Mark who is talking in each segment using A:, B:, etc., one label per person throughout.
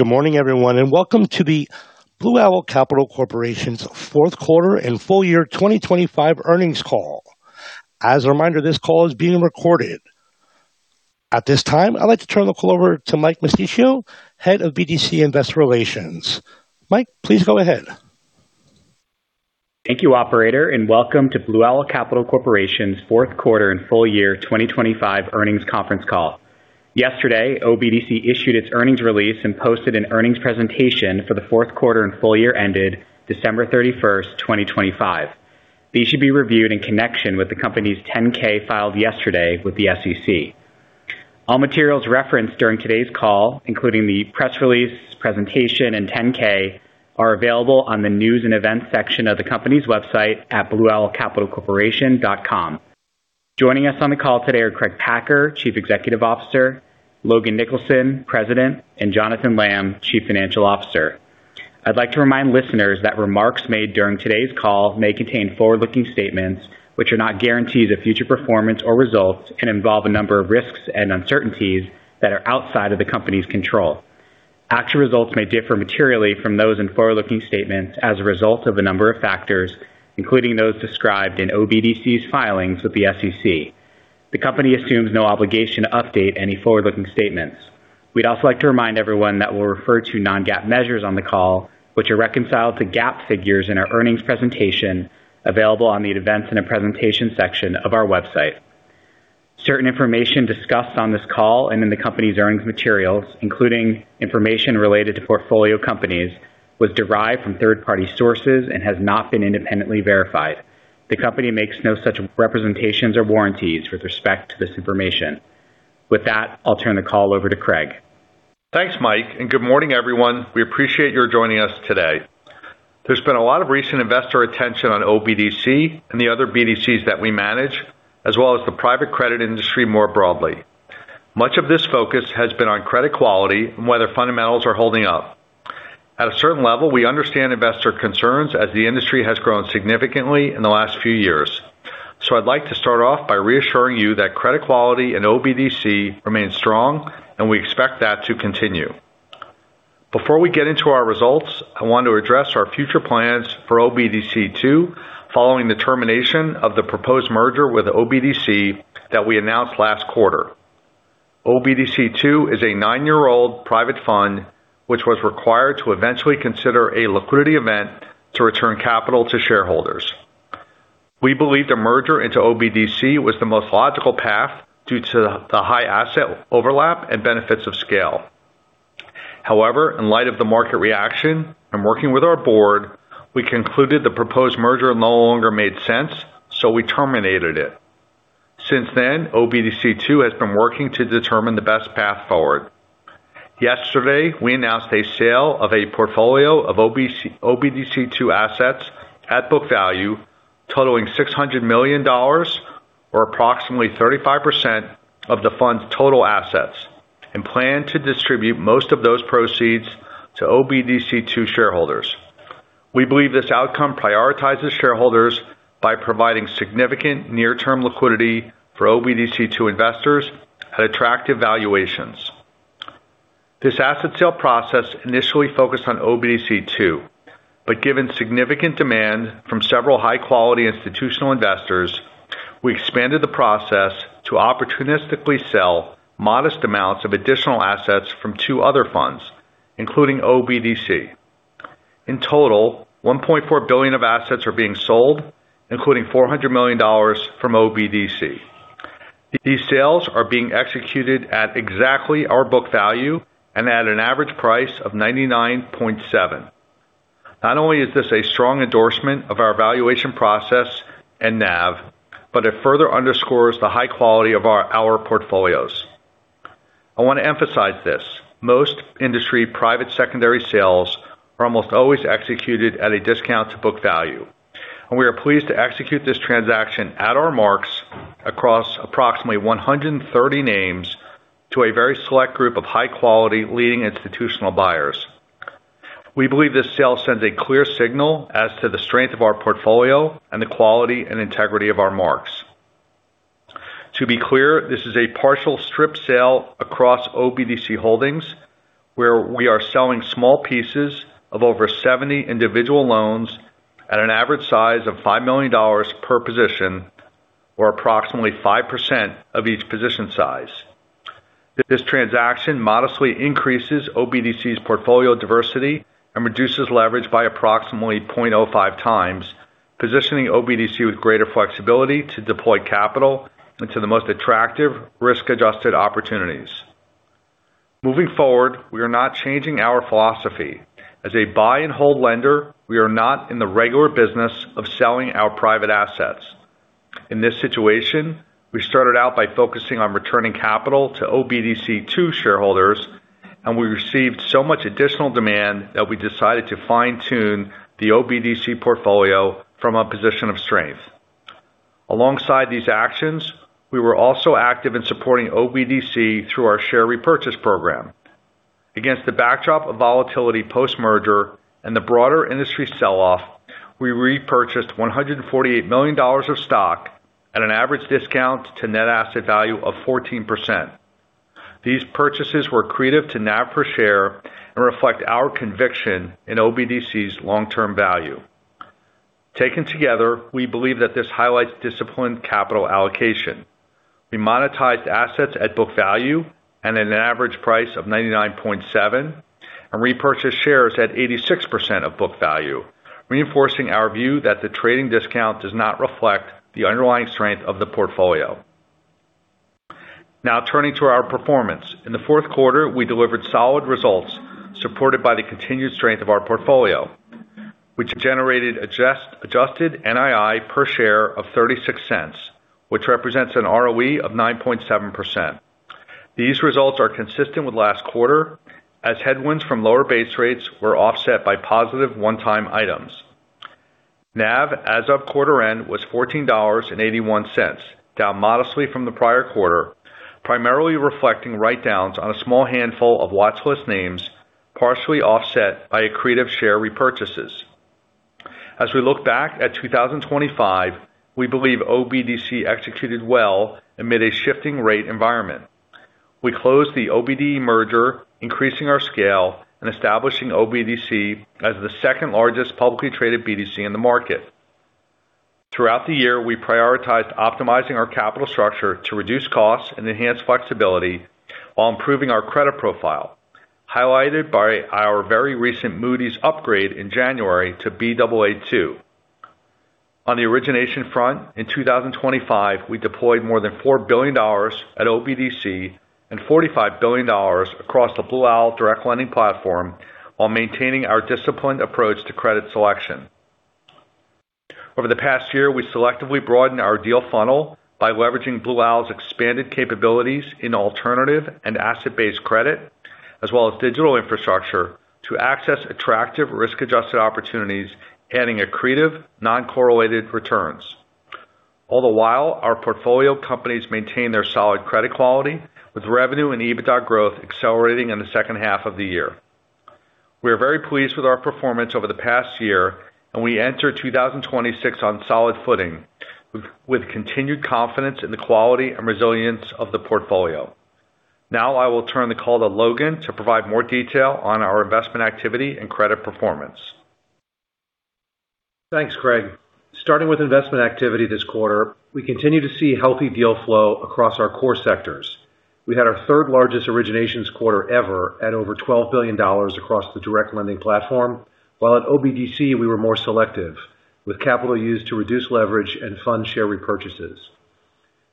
A: Good morning, everyone, and welcome to the Blue Owl Capital Corporation's Fourth Quarter and Full Year 2025 earnings call. As a reminder, this call is being recorded. At this time, I'd like to turn the call over to Mike Mosticchio, Head of BDC Investor Relations. Mike, please go ahead.
B: Thank you, operator, and welcome to Blue Owl Capital Corporation's fourth quarter and full year 2025 earnings conference call. Yesterday, OBDC issued its earnings release and posted an earnings presentation for the fourth quarter and full year ended December 31st, 2025. These should be reviewed in connection with the company's 10-K filed yesterday with the SEC. All materials referenced during today's call, including the press release, presentation, and 10-K, are available on the News and Events section of the company's website at blueowlcapitalcorporation.com. Joining us on the call today are Craig Packer, Chief Executive Officer, Logan Nicholson, President, and Jonathan Lamm, Chief Financial Officer. I'd like to remind listeners that remarks made during today's call may contain forward-looking statements, which are not guarantees of future performance or results and involve a number of risks and uncertainties that are outside of the company's control. Actual results may differ materially from those in forward-looking statements as a result of a number of factors, including those described in OBDC's filings with the SEC. The company assumes no obligation to update any forward-looking statements. We'd also like to remind everyone that we'll refer to non-GAAP measures on the call, which are reconciled to GAAP figures in our earnings presentation, available on the Events and Presentation section of our website. Certain information discussed on this call and in the company's earnings materials, including information related to portfolio companies, was derived from third-party sources and has not been independently verified. The company makes no such representations or warranties with respect to this information. With that, I'll turn the call over to Craig.
C: Thanks, Mike, and good morning, everyone. We appreciate your joining us today. There's been a lot of recent investor attention on OBDC and the other BDCs that we manage, as well as the private credit industry more broadly. Much of this focus has been on credit quality and whether fundamentals are holding up. At a certain level, we understand investor concerns as the industry has grown significantly in the last few years. So I'd like to start off by reassuring you that credit quality and OBDC remains strong, and we expect that to continue. Before we get into our results, I want to address our future plans for OBDC II following the termination of the proposed merger with OBDC that we announced last quarter. OBDC II is a nine-year-old private fund, which was required to eventually consider a liquidity event to return capital to shareholders. We believe the merger into OBDC was the most logical path due to the high asset overlap and benefits of scale. However, in light of the market reaction and working with our board, we concluded the proposed merger no longer made sense, so we terminated it. Since then, OBDC II has been working to determine the best path forward. Yesterday, we announced a sale of a portfolio of OBDC II assets at book value totaling $600 million or approximately 35% of the fund's total assets, and plan to distribute most of those proceeds to OBDC II shareholders. We believe this outcome prioritizes shareholders by providing significant near-term liquidity for OBDC II investors at attractive valuations. This asset sale process initially focused on OBDC II, but given significant demand from several high-quality institutional investors, we expanded the process to opportunistically sell modest amounts of additional assets from two other funds, including OBDC. In total, $1.4 billion of assets are being sold, including $400 million from OBDC. These sales are being executed at exactly our book value and at an average price of 99.7%. Not only is this a strong endorsement of our valuation process and NAV, but it further underscores the high quality of our portfolios. I want to emphasize this: Most industry private secondary sales are almost always executed at a discount to book value, and we are pleased to execute this transaction at our marks across approximately 130 names to a very select group of high-quality, leading institutional buyers. We believe this sale sends a clear signal as to the strength of our portfolio and the quality and integrity of our marks. To be clear, this is a partial strip sale across OBDC holdings, where we are selling small pieces of over 70 individual loans at an average size of $5 million per position or approximately 5% of each position size. This transaction modestly increases OBDC's portfolio diversity and reduces leverage by approximately 0.05x, positioning OBDC with greater flexibility to deploy capital into the most attractive risk-adjusted opportunities. Moving forward, we are not changing our philosophy. As a buy and hold lender, we are not in the regular business of selling our private assets. In this situation, we started out by focusing on returning capital to OBDC II shareholders, and we received so much additional demand that we decided to fine-tune the OBDC portfolio from a position of strength. Alongside these actions, we were also active in supporting OBDC through our share repurchase program. Against the backdrop of volatility post-merger and the broader industry sell-off, we repurchased $148 million of stock at an average discount to net asset value of 14%. These purchases were accretive to NAV per share and reflect our conviction in OBDC's long-term value. Taken together, we believe that this highlights disciplined capital allocation. We monetized assets at book value and at an average price of 99.7%, and repurchased shares at 86% of book value, reinforcing our view that the trading discount does not reflect the underlying strength of the portfolio. Now, turning to our performance. In the fourth quarter, we delivered solid results supported by the continued strength of our portfolio, which generated adjusted NII per share of $0.36, which represents an ROE of 9.7%. These results are consistent with last quarter, as headwinds from lower base rates were offset by positive one-time items. NAV, as of quarter end, was $14.81, down modestly from the prior quarter, primarily reflecting write-downs on a small handful of watchlist names, partially offset by accretive share repurchases. As we look back at 2025, we believe OBDC executed well amid a shifting rate environment. We closed the OBDE Merger, increasing our scale and establishing OBDC as the second largest publicly traded BDC in the market. Throughout the year, we prioritized optimizing our capital structure to reduce costs and enhance flexibility while improving our credit profile, highlighted by our very recent Moody's upgrade in January to Baa2. On the origination front, in 2025, we deployed more than $4 billion at OBDC and $45 billion across the Blue Owl Direct Lending platform, while maintaining our disciplined approach to credit selection. Over the past year, we selectively broadened our deal funnel by leveraging Blue Owl's expanded capabilities in alternative and asset-based credit, as well as digital infrastructure, to access attractive risk-adjusted opportunities, adding accretive, non-correlated returns. All the while, our portfolio companies maintain their solid credit quality, with revenue and EBITDA growth accelerating in the second half of the year. We are very pleased with our performance over the past year, and we enter 2026 on solid footing, with continued confidence in the quality and resilience of the portfolio. Now, I will turn the call to Logan to provide more detail on our investment activity and credit performance.
D: Thanks, Craig. Starting with investment activity this quarter, we continue to see healthy deal flow across our core sectors. We had our third largest originations quarter ever at over $12 billion across the Direct Lending platform, while at OBDC, we were more selective, with capital used to reduce leverage and fund share repurchases.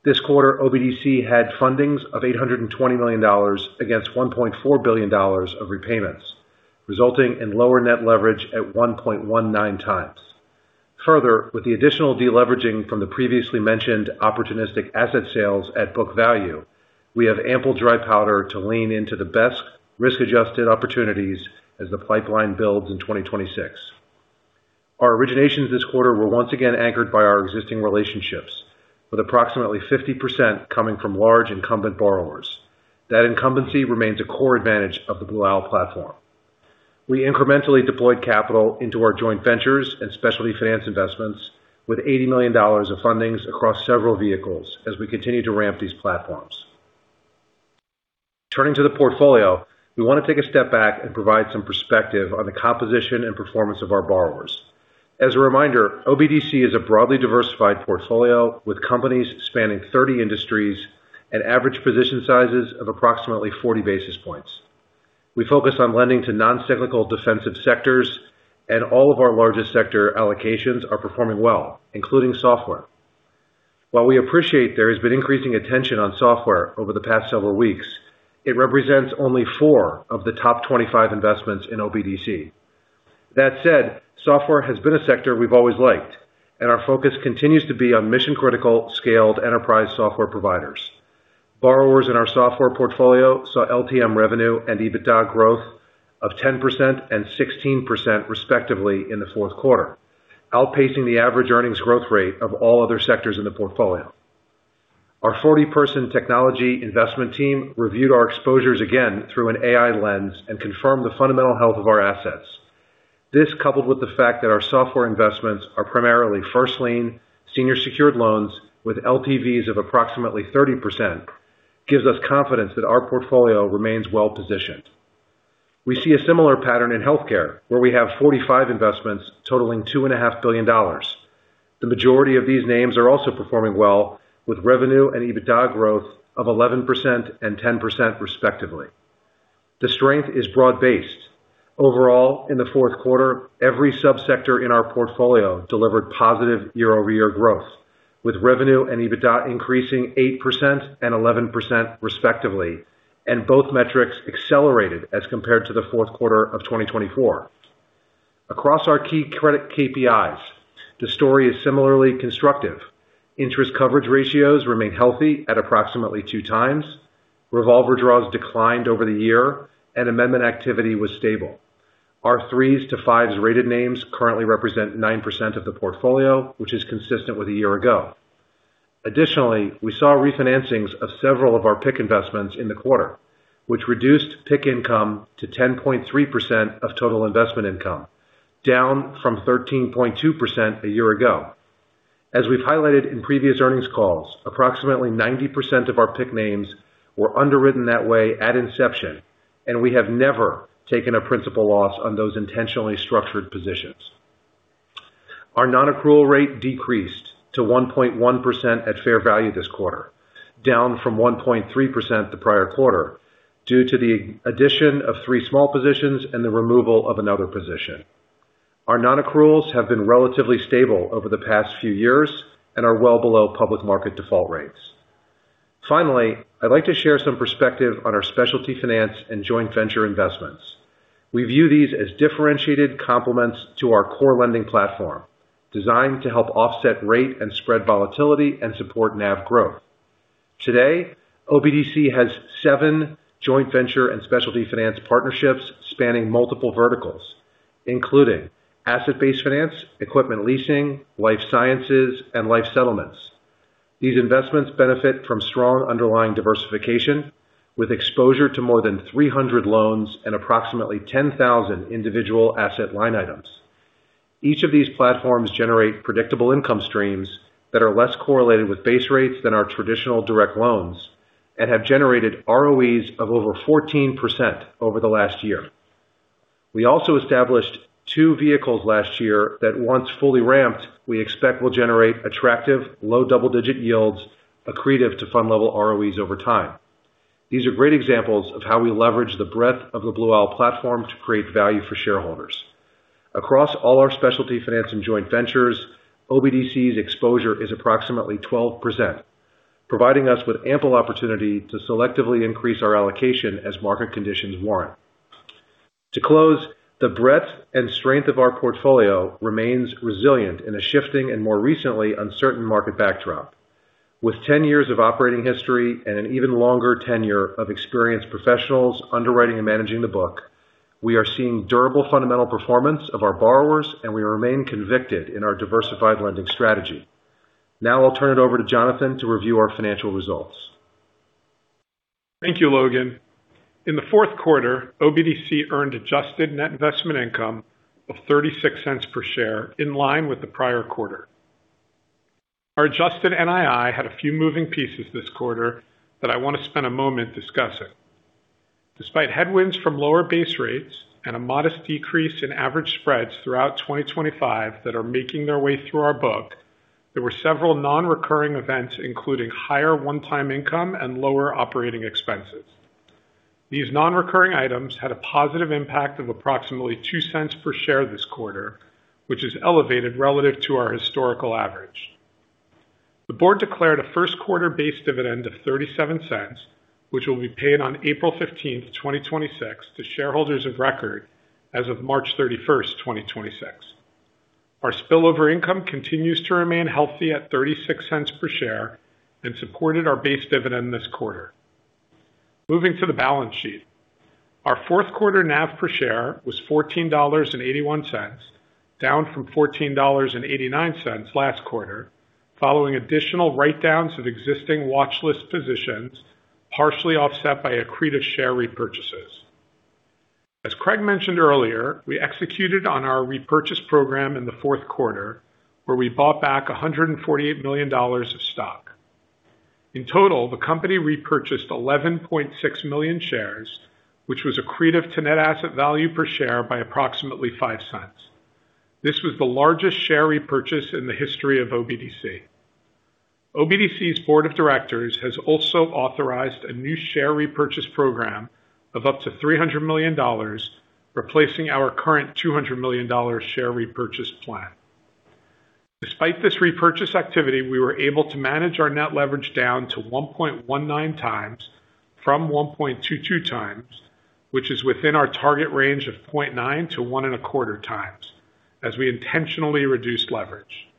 D: This quarter, OBDC had fundings of $820 million against $1.4 billion of repayments, resulting in lower net leverage at 1.19x. Further, with the additional deleveraging from the previously mentioned opportunistic asset sales at book value, we have ample dry powder to lean into the best risk-adjusted opportunities as the pipeline builds in 2026. Our originations this quarter were once again anchored by our existing relationships, with approximately 50% coming from large incumbent borrowers. That incumbency remains a core advantage of the Blue Owl platform. We incrementally deployed capital into our joint ventures and specialty finance investments, with $80 million of fundings across several vehicles as we continue to ramp these platforms. Turning to the portfolio, we want to take a step back and provide some perspective on the composition and performance of our borrowers. As a reminder, OBDC is a broadly diversified portfolio with companies spanning 30 industries and average position sizes of approximately 40 basis points. We focus on lending to non-cyclical, defensive sectors, and all of our largest sector allocations are performing well, including software. While we appreciate there has been increasing attention on software over the past several weeks, it represents only four of the top 25 investments in OBDC. That said, software has been a sector we've always liked, and our focus continues to be on mission-critical, scaled enterprise software providers. Borrowers in our software portfolio saw LTM revenue and EBITDA growth of 10% and 16% respectively in the fourth quarter, outpacing the average earnings growth rate of all other sectors in the portfolio. Our 40-person technology investment team reviewed our exposures again through an AI lens and confirmed the fundamental health of our assets. This, coupled with the fact that our software investments are primarily first-lien, senior secured loans with LTVs of approximately 30%, gives us confidence that our portfolio remains well positioned. We see a similar pattern in healthcare, where we have 45 investments totaling $2.5 billion. The majority of these names are also performing well, with revenue and EBITDA growth of 11% and 10% respectively. The strength is broad-based. Overall, in the fourth quarter, every sub-sector in our portfolio delivered positive year-over-year growth, with revenue and EBITDA increasing 8% and 11%, respectively, and both metrics accelerated as compared to the fourth quarter of 2024. Across our key credit KPIs, the story is similarly constructive. Interest coverage ratios remain healthy at approximately 2x. Revolver draws declined over the year, and amendment activity was stable. Our 3s to 5s rated names currently represent 9% of the portfolio, which is consistent with a year ago. Additionally, we saw refinancings of several of our PIK investments in the quarter, which reduced PIK income to 10.3% of total investment income, down from 13.2% a year ago. As we've highlighted in previous earnings calls, approximately 90% of our PIK names were underwritten that way at inception, and we have never taken a principal loss on those intentionally structured positions. Our non-accrual rate decreased to 1.1% at fair value this quarter, down from 1.3% the prior quarter, due to the addition of three small positions and the removal of another position. Our non-accruals have been relatively stable over the past few years and are well below public market default rates. Finally, I'd like to share some perspective on our specialty finance and joint venture investments. We view these as differentiated complements to our core lending platform, designed to help offset rate and spread volatility and support NAV growth. Today, OBDC has seven joint venture and specialty finance partnerships spanning multiple verticals, including asset-based finance, equipment leasing, life sciences, and life settlements. These investments benefit from strong underlying diversification, with exposure to more than 300 loans and approximately 10,000 individual asset line items. Each of these platforms generate predictable income streams that are less correlated with base rates than our traditional direct loans and have generated ROEs of over 14% over the last year. We also established two vehicles last year that, once fully ramped, we expect will generate attractive, low double-digit yields, accretive to fund level ROEs over time. These are great examples of how we leverage the breadth of the Blue Owl platform to create value for shareholders. Across all our specialty finance and joint ventures, OBDC's exposure is approximately 12%, providing us with ample opportunity to selectively increase our allocation as market conditions warrant. To close, the breadth and strength of our portfolio remains resilient in a shifting and more recently uncertain market backdrop. With 10 years of operating history and an even longer tenure of experienced professionals underwriting and managing the book, we are seeing durable fundamental performance of our borrowers, and we remain convicted in our diversified lending strategy. Now I'll turn it over to Jonathan to review our financial results.
E: Thank you, Logan. In the fourth quarter, OBDC earned adjusted net investment income of $0.36 per share, in line with the prior quarter. Our adjusted NII had a few moving pieces this quarter that I want to spend a moment discussing. Despite headwinds from lower base rates and a modest decrease in average spreads throughout 2025 that are making their way through our book, there were several non-recurring events, including higher one-time income and lower operating expenses. These non-recurring items had a positive impact of approximately $0.02 per share this quarter, which is elevated relative to our historical average. The board declared a first quarter base dividend of $0.37, which will be paid on April 15th, 2026, to shareholders of record as of March 31st, 2026. Our spillover income continues to remain healthy at $0.36 per share and supported our base dividend this quarter. Moving to the balance sheet. Our fourth quarter NAV per share was $14.81, down from $14.89 last quarter, following additional write-downs of existing watchlist positions, partially offset by accretive share repurchases. As Craig mentioned earlier, we executed on our repurchase program in the fourth quarter, where we bought back $148 million of stock. In total, the company repurchased 11.6 million shares, which was accretive to net asset value per share by approximately $0.05. This was the largest share repurchase in the history of OBDC. OBDC's Board of Directors has also authorized a new share repurchase program of up to $300 million, replacing our current $200 million share repurchase plan. Despite this repurchase activity, we were able to manage our net leverage down to 1.19x from 1.22x, which is within our target range of 0.9x-1.25x as we intentionally reduced leverage.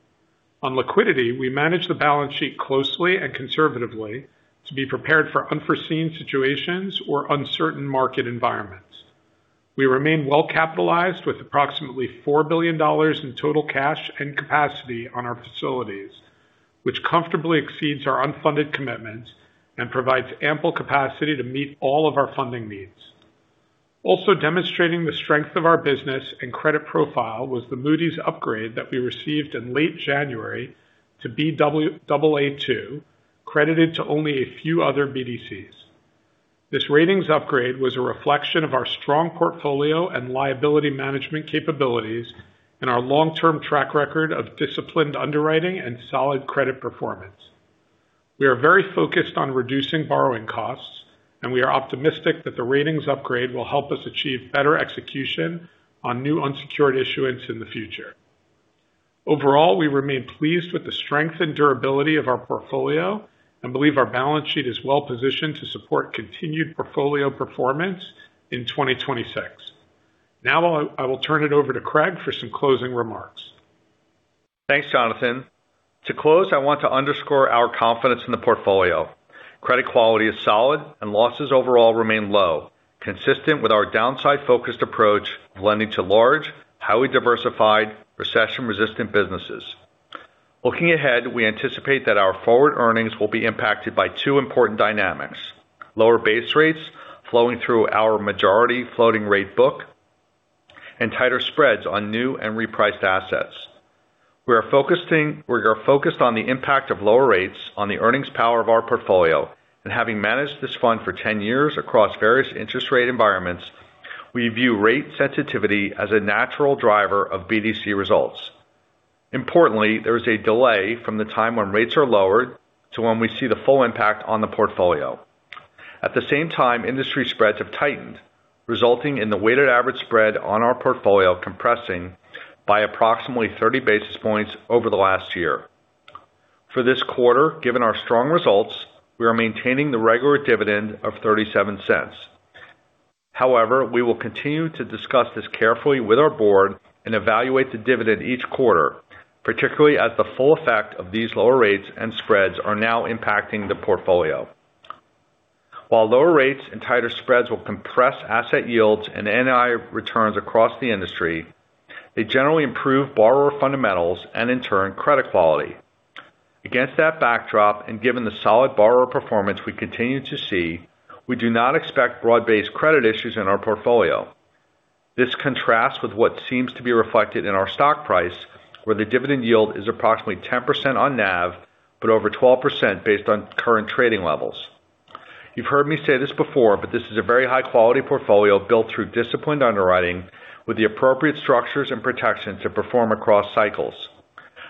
E: On liquidity, we managed the balance sheet closely and conservatively to be prepared for unforeseen situations or uncertain market environments. We remain well-capitalized with approximately $4 billion in total cash and capacity on our facilities, which comfortably exceeds our unfunded commitments and provides ample capacity to meet all of our funding needs. Also demonstrating the strength of our business and credit profile was the Moody's upgrade that we received in late January to Baa2, credited to only a few other BDCs. This ratings upgrade was a reflection of our strong portfolio and liability management capabilities and our long-term track record of disciplined underwriting and solid credit performance. We are very focused on reducing borrowing costs, and we are optimistic that the ratings upgrade will help us achieve better execution on new unsecured issuance in the future. Overall, we remain pleased with the strength and durability of our portfolio and believe our balance sheet is well positioned to support continued portfolio performance in 2026. Now, I will turn it over to Craig for some closing remarks.
C: Thanks, Jonathan. To close, I want to underscore our confidence in the portfolio. Credit quality is solid and losses overall remain low, consistent with our downside-focused approach of lending to large, highly diversified, recession-resistant businesses. Looking ahead, we anticipate that our forward earnings will be impacted by two important dynamics: lower base rates flowing through our majority floating rate book and tighter spreads on new and repriced assets. We are focused on the impact of lower rates on the earnings power of our portfolio, and having managed this fund for 10 years across various interest rate environments, we view rate sensitivity as a natural driver of BDC results. Importantly, there is a delay from the time when rates are lowered to when we see the full impact on the portfolio. At the same time, industry spreads have tightened, resulting in the weighted average spread on our portfolio compressing by approximately 30 basis points over the last year. For this quarter, given our strong results, we are maintaining the regular dividend of $0.37. However, we will continue to discuss this carefully with our board and evaluate the dividend each quarter, particularly as the full effect of these lower rates and spreads are now impacting the portfolio. While lower rates and tighter spreads will compress asset yields and NII returns across the industry, they generally improve borrower fundamentals and, in turn, credit quality. Against that backdrop, and given the solid borrower performance we continue to see, we do not expect broad-based credit issues in our portfolio. This contrasts with what seems to be reflected in our stock price, where the dividend yield is approximately 10% on NAV, but over 12% based on current trading levels. You've heard me say this before, but this is a very high quality portfolio built through disciplined underwriting with the appropriate structures and protections to perform across cycles.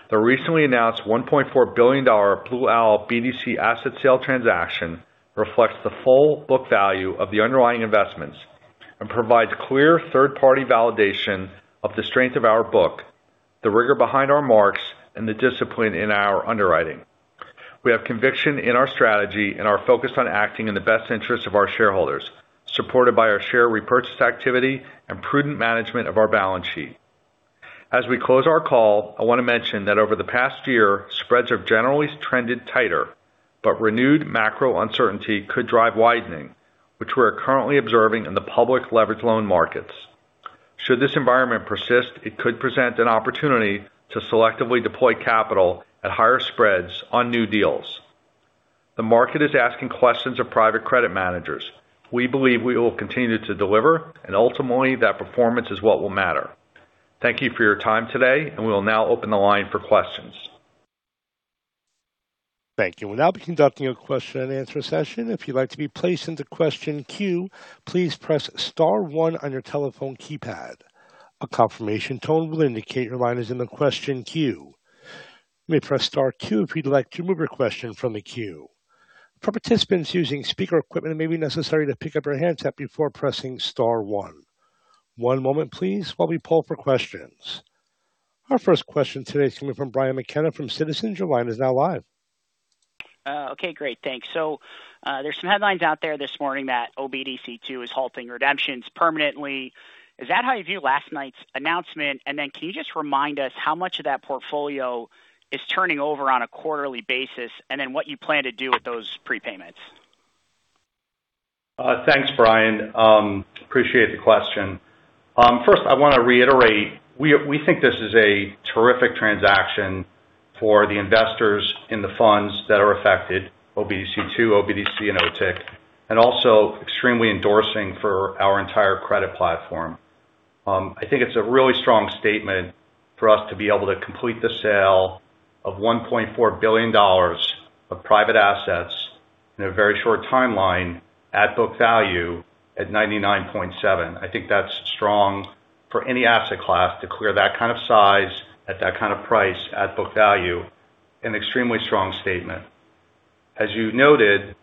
C: The recently announced $1.4 billion Blue Owl BDC asset sale transaction reflects the full book value of the underlying investments and provides clear third-party validation of the strength of our book, the rigor behind our marks, and the discipline in our underwriting. We have conviction in our strategy and are focused on acting in the best interest of our shareholders, supported by our share repurchase activity and prudent management of our balance sheet. As we close our call, I want to mention that over the past year, spreads have generally trended tighter, but renewed macro uncertainty could drive widening, which we're currently observing in the public leverage loan markets. Should this environment persist, it could present an opportunity to selectively deploy capital at higher spreads on new deals. The market is asking questions of private credit managers. We believe we will continue to deliver, and ultimately, that performance is what will matter. Thank you for your time today, and we will now open the line for questions.
A: Thank you. We'll now be conducting a question and answer session. If you'd like to be placed into question queue, please press star one on your telephone keypad. A confirmation tone will indicate your line is in the question queue. You may press star two if you'd like to remove your question from the queue. For participants using speaker equipment, it may be necessary to pick up your handset before pressing star one. One moment please, while we pull for questions. Our first question today is coming from Brian McKenna from Citizens. Your line is now live.
F: Okay, great. Thanks. So, there's some headlines out there this morning that OBDC II is halting redemptions permanently. Is that how you view last night's announcement? And then can you just remind us how much of that portfolio is turning over on a quarterly basis, and then what you plan to do with those prepayments?
C: Thanks, Brian. Appreciate the question. First, I wanna reiterate, we, we think this is a terrific transaction for the investors in the funds that are affected, OBDC II, OBDC, and OTIC, and also extremely endorsing for our entire credit platform. I think it's a really strong statement for us to be able to complete the sale of $1.4 billion of private assets in a very short timeline at book value at 99.7%. I think that's strong for any asset class to clear that kind of size, at that kind of price, at book value, an extremely strong statement. As you noted,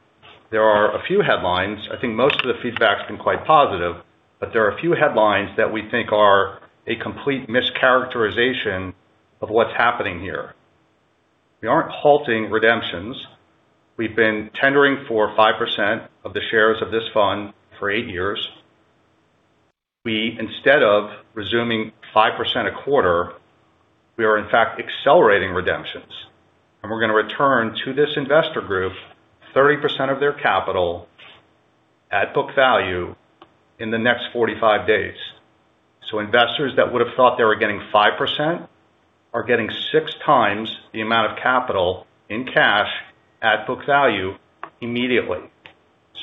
C: there are a few headlines. I think most of the feedback's been quite positive, but there are a few headlines that we think are a complete mischaracterization of what's happening here. We aren't halting redemptions. We've been tendering for 5% of the shares of this fund for eight years. We, instead of resuming 5% a quarter, we are in fact accelerating redemptions, and we're gonna return to this investor group 30% of their capital at book value in the next 45 days. So investors that would have thought they were getting 5% are getting 6x the amount of capital in cash at book value immediately.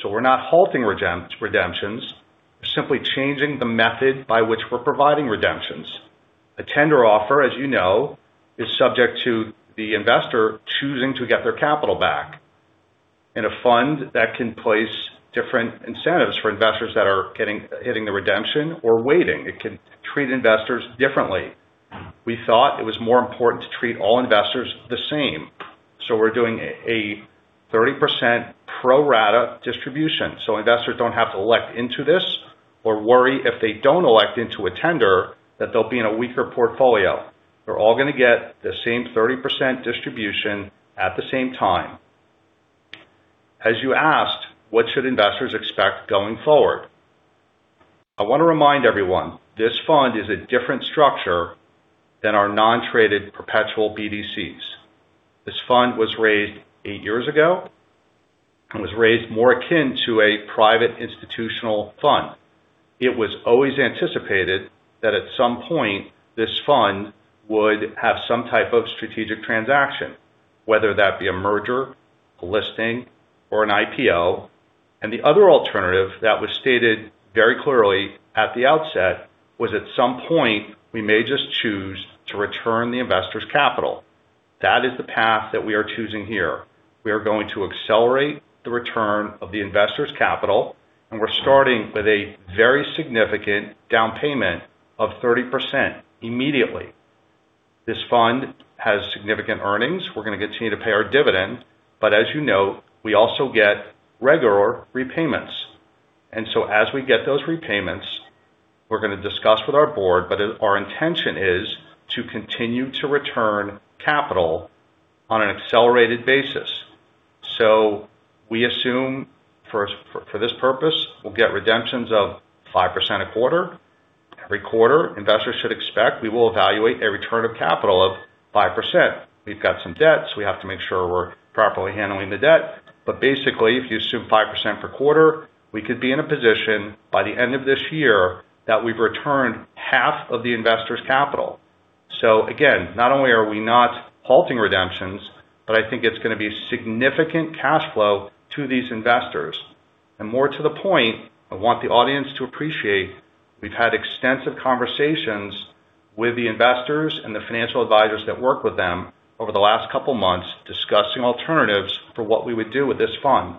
C: So we're not halting redemptions, we're simply changing the method by which we're providing redemptions. A tender offer, as you know, is subject to the investor choosing to get their capital back. In a fund, that can place different incentives for investors that are hitting the redemption or waiting. It can treat investors differently. We thought it was more important to treat all investors the same, so we're doing a 30% pro rata distribution. So investors don't have to elect into this or worry if they don't elect into a tender, that they'll be in a weaker portfolio. They're all gonna get the same 30% distribution at the same time. As you asked, what should investors expect going forward? I want to remind everyone, this fund is a different structure than our non-traded perpetual BDCs. This fund was raised eight years ago, and was raised more akin to a private institutional fund. It was always anticipated that at some point, this fund would have some type of strategic transaction, whether that be a merger, a listing, or an IPO. The other alternative that was stated very clearly at the outset was at some point, we may just choose to return the investors' capital. That is the path that we are choosing here. We are going to accelerate the return of the investors' capital, and we're starting with a very significant down payment of 30% immediately. This fund has significant earnings. We're going to continue to pay our dividend, but as you know, we also get regular repayments. So as we get those repayments, we're going to discuss with our board, but our intention is to continue to return capital on an accelerated basis. So we assume for this purpose, we'll get redemptions of 5% a quarter. Every quarter, investors should expect we will evaluate a return of capital of 5%. We've got some debts. We have to make sure we're properly handling the debt. But basically, if you assume 5% per quarter, we could be in a position by the end of this year that we've returned half of the investors' capital. So again, not only are we not halting redemptions, but I think it's going to be significant cash flow to these investors. And more to the point, I want the audience to appreciate, we've had extensive conversations with the investors and the financial advisors that work with them over the last couple of months, discussing alternatives for what we would do with this fund.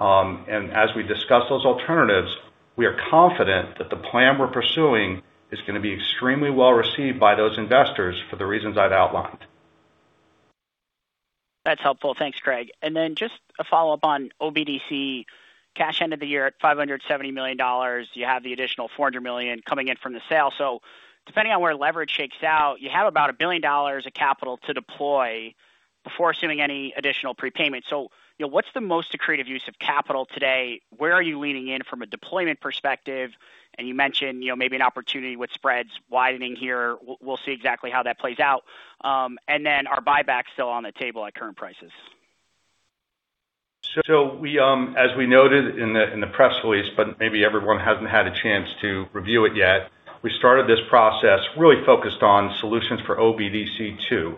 C: And as we discuss those alternatives, we are confident that the plan we're pursuing is going to be extremely well received by those investors for the reasons I've outlined.
F: That's helpful. Thanks, Craig. And then just a follow-up on OBDC cash end of the year at $570 million. You have the additional $400 million coming in from the sale. So depending on where leverage shakes out, you have about $1 billion of capital to deploy before assuming any additional prepayment. So, you know, what's the most accretive use of capital today? Where are you leaning in from a deployment perspective? And you mentioned, you know, maybe an opportunity with spreads widening here. We'll see exactly how that plays out. And then are buybacks still on the table at current prices?
C: So we, as we noted in the press release, but maybe everyone hasn't had a chance to review it yet. We started this process really focused on solutions for OBDC II.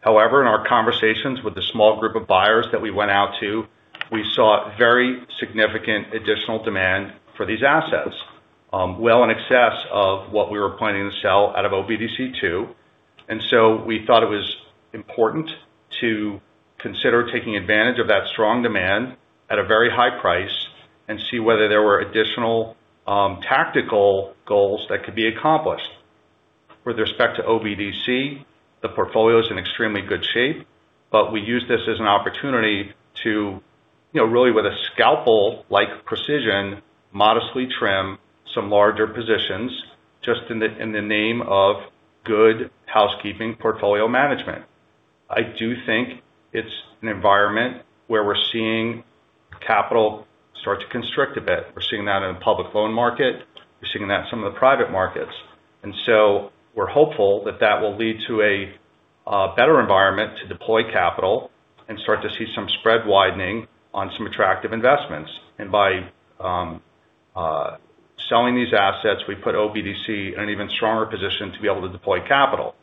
C: However, in our conversations with a small group of buyers that we went out to, we saw very significant additional demand for these assets, well in excess of what we were planning to sell out of OBDC II. And so we thought it was important to consider taking advantage of that strong demand at a very high price and see whether there were additional, tactical goals that could be accomplished. With respect to OBDC, the portfolio is in extremely good shape, but we use this as an opportunity to, you know, really, with a scalpel-like precision, modestly trim some larger positions just in the name of good housekeeping portfolio management. I do think it's an environment where we're seeing capital start to constrict a bit. We're seeing that in the public loan market. We're seeing that in some of the private markets. And so we're hopeful that that will lead to a better environment to deploy capital and start to see some spread widening on some attractive investments. And by selling these assets, we put OBDC in an even stronger position to be able to deploy capital.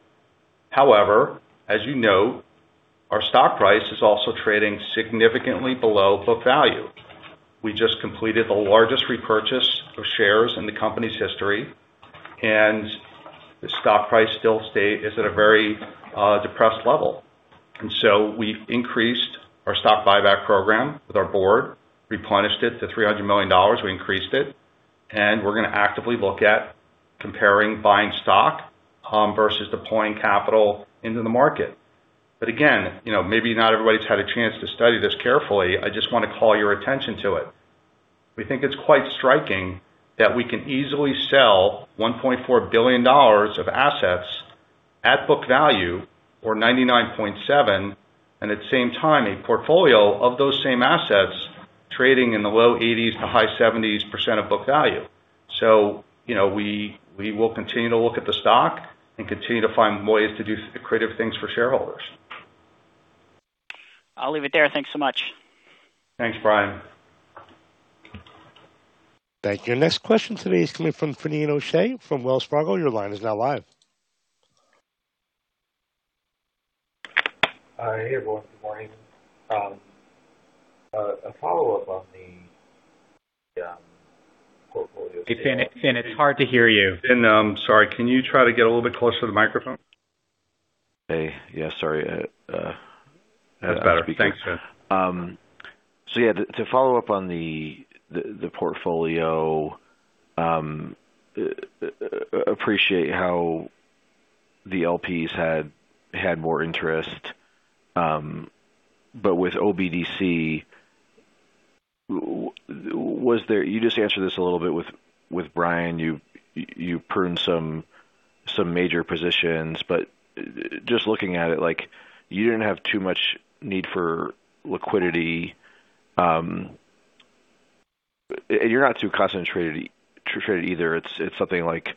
C: However, as you know, our stock price is also trading significantly below book value. We just completed the largest repurchase of shares in the company's history, and the stock price still is at a very depressed level. And so we've increased our stock buyback program with our board, replenished it to $300 million. We increased it, and we're going to actively look at comparing buying stock versus deploying capital into the market. But again, you know, maybe not everybody's had a chance to study this carefully. I just want to call your attention to it. We think it's quite striking that we can easily sell $1.4 billion of assets at book value or 99.7%, and at the same time, a portfolio of those same assets trading in the low 80s-high 70s% of book value. So, you know, we, we will continue to look at the stock and continue to find ways to do accretive things for shareholders.
F: I'll leave it there. Thanks so much.
C: Thanks, Brian.
A: Thank you. Next question today is coming from Finian O'Shea from Wells Fargo. Your line is now live.
G: Hey, everyone. Good morning. A follow-up on the portfolio-
C: Hey, Fin, Fin, it's hard to hear you. Fin, sorry, can you try to get a little bit closer to the microphone?
G: Hey. Yeah, sorry.
C: That's better. Thanks, man.
G: So yeah, to follow up on the portfolio, I appreciate how the LPs had more interest, but with OBDC, was there—you just answered this a little bit with Brian, you pruned some major positions, but I'm just looking at it, like, you didn't have too much need for liquidity. And you're not too concentrated, traded either. It's something like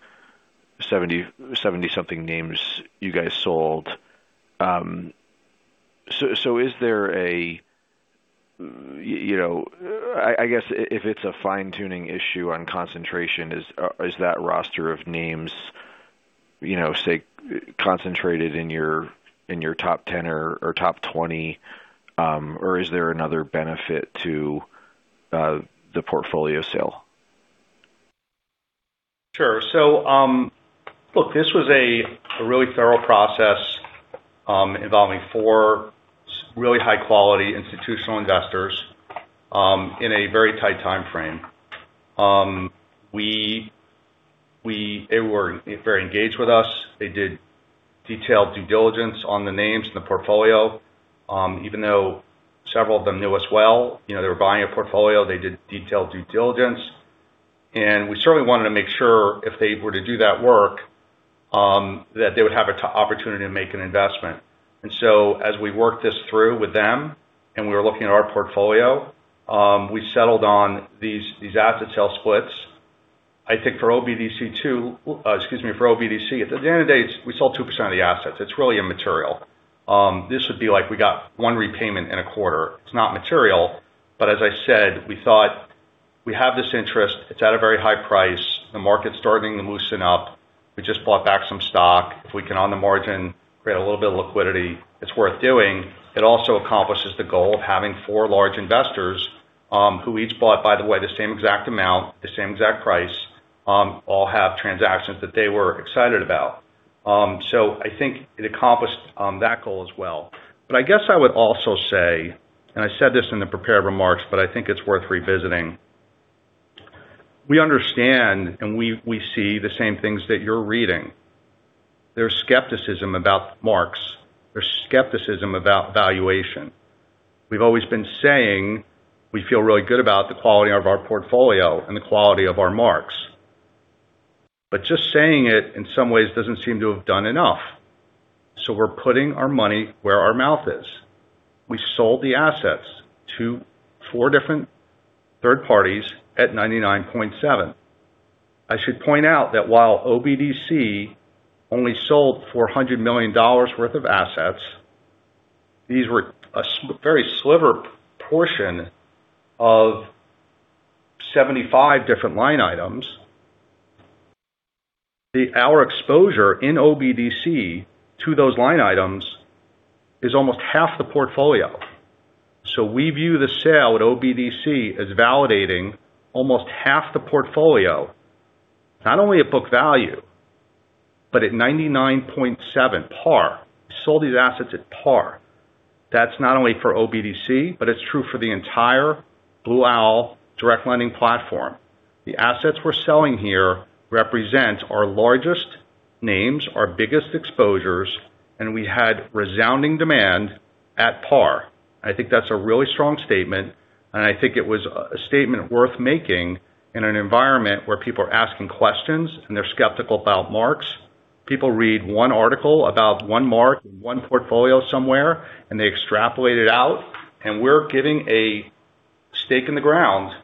G: 70-something names you guys sold. So is there a, you know, I guess if it's a fine-tuning issue on concentration, is that roster of names, you know, say, concentrated in your top 10 or top 20, or is there another benefit to the portfolio sale?
C: Sure. So, look, this was a really thorough process, involving four really high quality institutional investors, in a very tight timeframe. They were very engaged with us. They did detailed due diligence on the names in the portfolio. Even though several of them knew us well, you know, they were buying a portfolio, they did detailed due diligence. And we certainly wanted to make sure if they were to do that work, that they would have an opportunity to make an investment. And so as we worked this through with them and we were looking at our portfolio, we settled on these, these asset sale splits. I think for OBDC II, excuse me, for OBDC, at the end of the day, we sold 2% of the assets. It's really immaterial. This would be like we got one repayment in a quarter. It's not material, but as I said, we thought we have this interest, it's at a very high price. The market's starting to loosen up. We just bought back some stock. If we can, on the margin, create a little bit of liquidity, it's worth doing. It also accomplishes the goal of having four large investors, who each bought, by the way, the same exact amount, the same exact price, all have transactions that they were excited about. So I think it accomplished that goal as well. But I guess I would also say, and I said this in the prepared remarks, but I think it's worth revisiting. We understand and we see the same things that you're reading. There's skepticism about marks. There's skepticism about valuation. We've always been saying we feel really good about the quality of our portfolio and the quality of our marks. Just saying it, in some ways, doesn't seem to have done enough. We're putting our money where our mouth is. We sold the assets to four different third parties at 99.7%. I should point out that while OBDC only sold $400 million worth of assets, these were a very sliver portion of 75 different line items. Our exposure in OBDC to those line items is almost half the portfolio. We view the sale at OBDC as validating almost half the portfolio, not only at book value, but at 99.7% par. We sold these assets at par. That's not only for OBDC, but it's true for the entire Blue Owl Direct Lending platform. The assets we're selling here represent our largest names, our biggest exposures, and we had resounding demand at par. I think that's a really strong statement, and I think it was a statement worth making in an environment where people are asking questions and they're skeptical about marks. People read one article about one mark, one portfolio somewhere, and they extrapolate it out, and we're giving a stake in the ground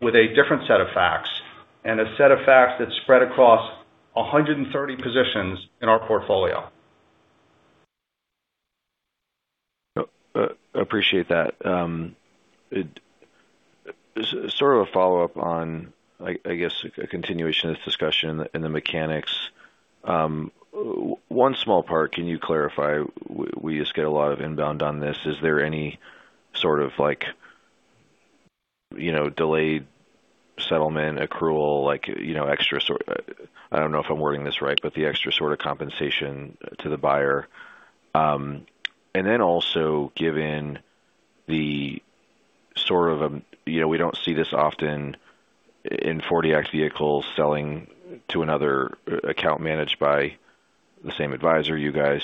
C: with a different set of facts, and a set of facts that's spread across 130 positions in our portfolio.
G: Appreciate that. Sort of a follow-up on, I guess, a continuation of this discussion and the mechanics. One small part, can you clarify? We just get a lot of inbound on this. Is there any sort of like, you know, delayed settlement accrual, like, you know, extra sort of compensation to the buyer? I don't know if I'm wording this right, but the extra sort of compensation to the buyer. And then also, given the sort of, you know, we don't see this often in 40 Act vehicles selling to another account managed by the same advisor, you guys.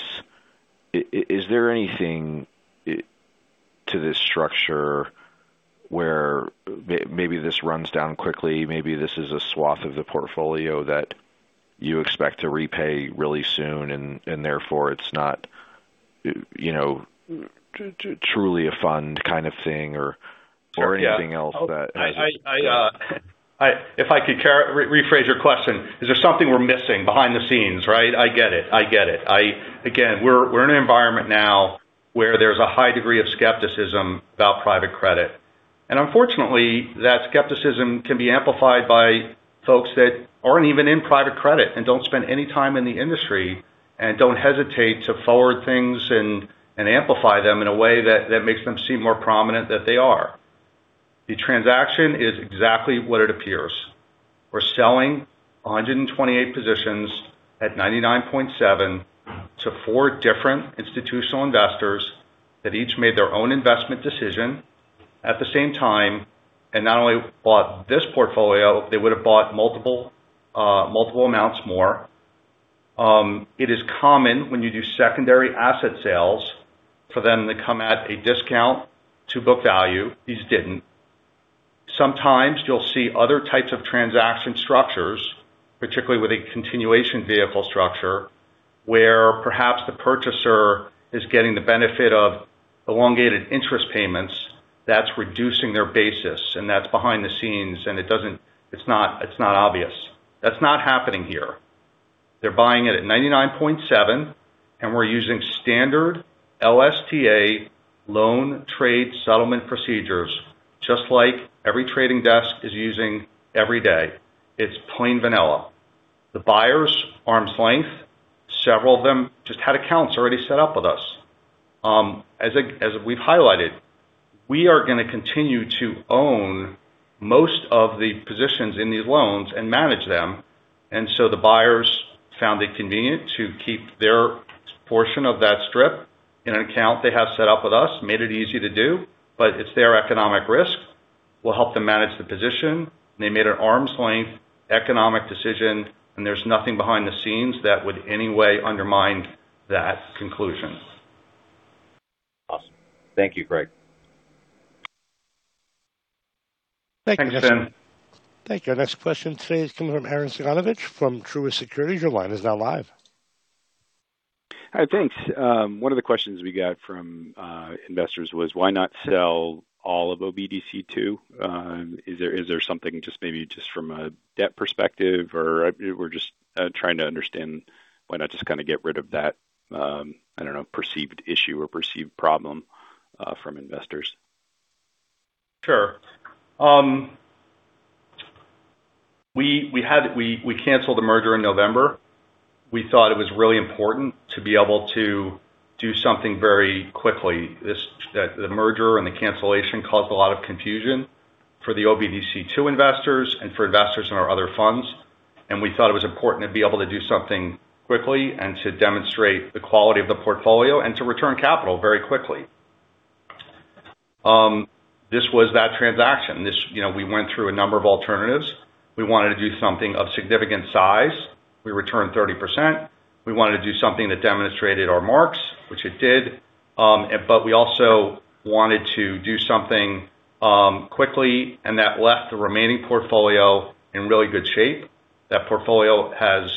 G: Is there anything to this structure where maybe this runs down quickly? Maybe this is a swath of the portfolio that you expect to repay really soon, and therefore it's not, you know, truly a fund kind of thing or anything else that-
C: If I could rephrase your question, is there something we're missing behind the scenes, right? I get it. I get it. Again, we're in an environment now where there's a high degree of skepticism about private credit. And unfortunately, that skepticism can be amplified by folks that aren't even in private credit and don't spend any time in the industry, and don't hesitate to forward things and amplify them in a way that makes them seem more prominent than they are. The transaction is exactly what it appears. We're selling 128 positions at 99.7% to four different institutional investors, that each made their own investment decision at the same time, and not only bought this portfolio, they would have bought multiple amounts more. It is common when you do secondary asset sales, for them to come at a discount to book value. These didn't. Sometimes you'll see other types of transaction structures, particularly with a continuation vehicle structure, where perhaps the purchaser is getting the benefit of elongated interest payments that's reducing their basis, and that's behind the scenes, and it doesn't, it's not, it's not obvious. That's not happening here. They're buying it at 99.7%, and we're using standard LSTA loan trade settlement procedures, just like every trading desk is using every day. It's plain vanilla. The buyers, arm's length, several of them just had accounts already set up with us. As we've highlighted, we are gonna continue to own most of the positions in these loans and manage them, and so the buyers found it convenient to keep their portion of that strip in an account they have set up with us. Made it easy to do, but it's their economic risk. We'll help them manage the position. They made an arm's length, economic decision, and there's nothing behind the scenes that would any way undermine that conclusion.
G: Awesome. Thank you, Craig.
C: Thank you.
E: Thanks, Fin.
A: Thank you. Our next question today is coming from Arren Cyganovich from Truist Securities. Your line is now live.
H: Hi, thanks. One of the questions we got from investors was why not sell all of OBDC II? Is there something just maybe just from a debt perspective, or we're just trying to understand why not just kind of get rid of that, I don't know, perceived issue or perceived problem from investors?
C: Sure. We canceled the merger in November. We thought it was really important to be able to do something very quickly. This, the merger and the cancellation caused a lot of confusion for the OBDC II investors and for investors in our other funds, and we thought it was important to be able to do something quickly and to demonstrate the quality of the portfolio and to return capital very quickly. This was that transaction. This. You know, we went through a number of alternatives. We wanted to do something of significant size. We returned 30%. We wanted to do something that demonstrated our marks, which it did. But we also wanted to do something quickly, and that left the remaining portfolio in really good shape. That portfolio has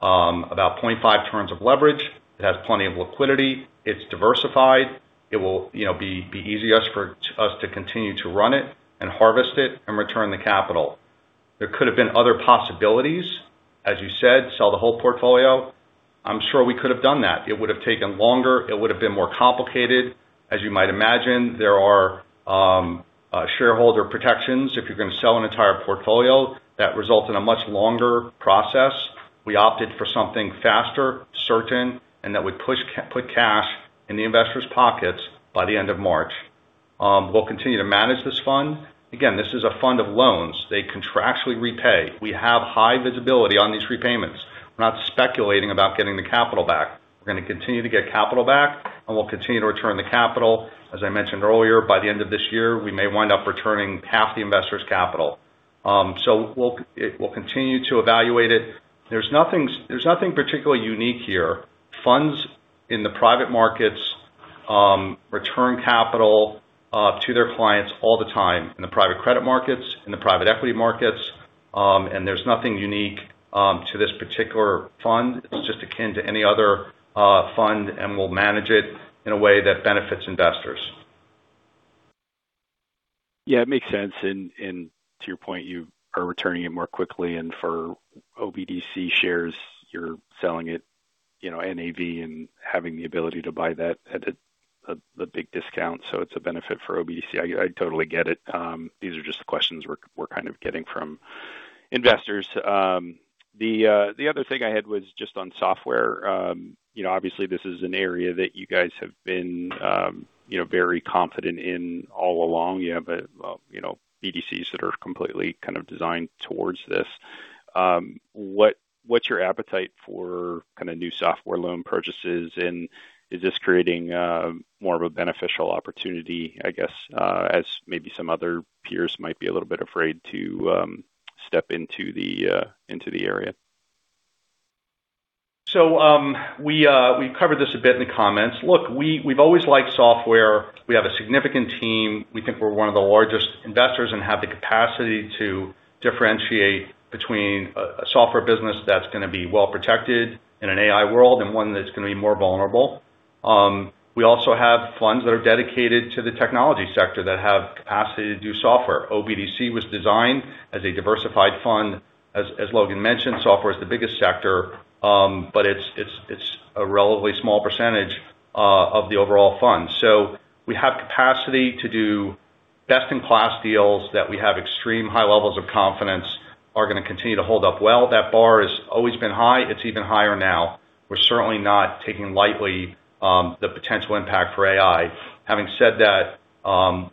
C: about 0.5 turns of leverage. It has plenty of liquidity. It's diversified. It will, you know, be easy for us to continue to run it and harvest it and return the capital. There could have been other possibilities, as you said, sell the whole portfolio. I'm sure we could have done that. It would have taken longer. It would have been more complicated. As you might imagine, there are shareholder protections if you're gonna sell an entire portfolio, that result in a much longer process. We opted for something faster, certain, and that would put cash in the investors' pockets by the end of March. We'll continue to manage this fund. Again, this is a fund of loans. They contractually repay. We have high visibility on these repayments. We're not speculating about getting the capital back. We're gonna continue to get capital back, and we'll continue to return the capital. As I mentioned earlier, by the end of this year, we may wind up returning half the investors' capital. So we'll continue to evaluate it. There's nothing, there's nothing particularly unique here. Funds in the private markets return capital to their clients all the time in the private credit markets, in the private equity markets, and there's nothing unique to this particular fund. It's just akin to any other fund, and we'll manage it in a way that benefits investors.
H: Yeah, it makes sense. And to your point, you are returning it more quickly, and for OBDC shares, you're selling it, you know, NAV and having the ability to buy that at a big discount, so it's a benefit for OBDC. I totally get it. These are just the questions we're kind of getting from investors. The other thing I had was just on software. You know, obviously, this is an area that you guys have been, you know, very confident in all along. You have, you know, BDCs that are completely kind of designed towards this. What's your appetite for kind of new software loan purchases? Is this creating more of a beneficial opportunity, I guess, as maybe some other peers might be a little bit afraid to step into the area?
C: We covered this a bit in the comments. Look, we've always liked software. We have a significant team. We think we're one of the largest investors and have the capacity to differentiate between a software business that's gonna be well protected in an AI world and one that's gonna be more vulnerable. We also have funds that are dedicated to the technology sector that have capacity to do software. OBDC was designed as a diversified fund. As Logan mentioned, software is the biggest sector, but it's a relatively small percentage of the overall fund. So we have capacity to do best-in-class deals that we have extreme high levels of confidence are gonna continue to hold up well. That bar has always been high. It's even higher now. We're certainly not taking lightly the potential impact for AI. Having said that,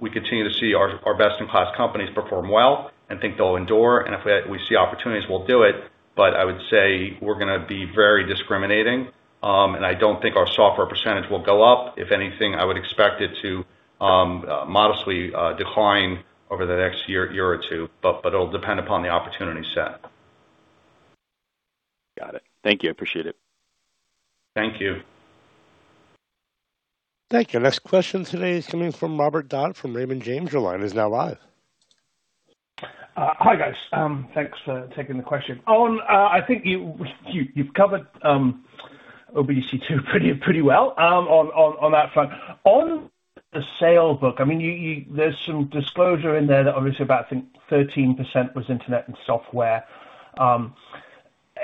C: we continue to see our best-in-class companies perform well and think they'll endure, and if we see opportunities, we'll do it. But I would say we're gonna be very discriminating, and I don't think our software percentage will go up. If anything, I would expect it to modestly decline over the next year or two, but it'll depend upon the opportunity set.
H: Got it. Thank you. Appreciate it.
C: Thank you.
A: Thank you. Our next question today is coming from Robert Dodd, from Raymond James. Your line is now live.
I: Hi, guys. Thanks for taking the question. On, I think you've covered OBDC II pretty well, on that front. On the sale book, I mean, there's some disclosure in there that obviously about think 13% was internet and software.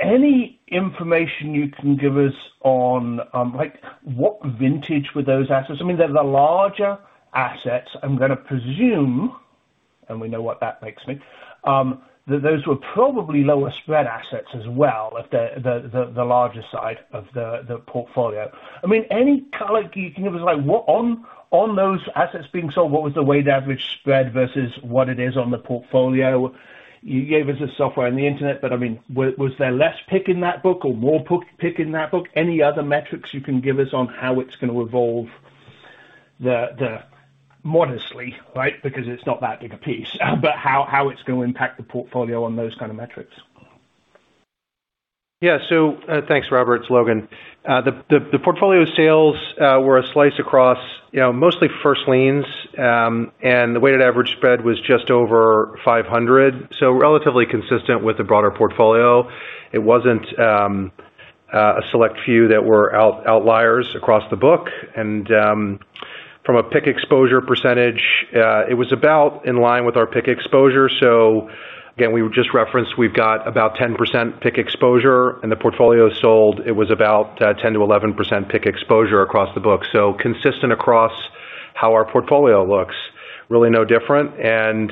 I: Any information you can give us on, like, what vintage were those assets? I mean, they're the larger assets, I'm gonna presume, and we know what that makes me, that those were probably lower spread assets as well, the larger side of the portfolio. I mean, any color can you give us, like, what on those assets being sold, what was the weighted average spread versus what it is on the portfolio? You gave us the software and the internet, but I mean, was there less pick in that book or more pick in that book? Any other metrics you can give us on how it's gonna evolve the modestly, right? Because it's not that big a piece. But how it's gonna impact the portfolio on those kind of metrics.
D: Yeah. So, thanks, Robert. It's Logan. The portfolio sales were a slice across, you know, mostly first-liens. And the weighted average spread was just over 500, so relatively consistent with the broader portfolio. It wasn't a select few that were outliers across the book. And from a PIK exposure percentage, it was about in line with our PIK exposure. So again, we just referenced, we've got about 10% PIK exposure, and the portfolio sold, it was about 10%-11% PIK exposure across the book. So consistent across how our portfolio looks, really no different. And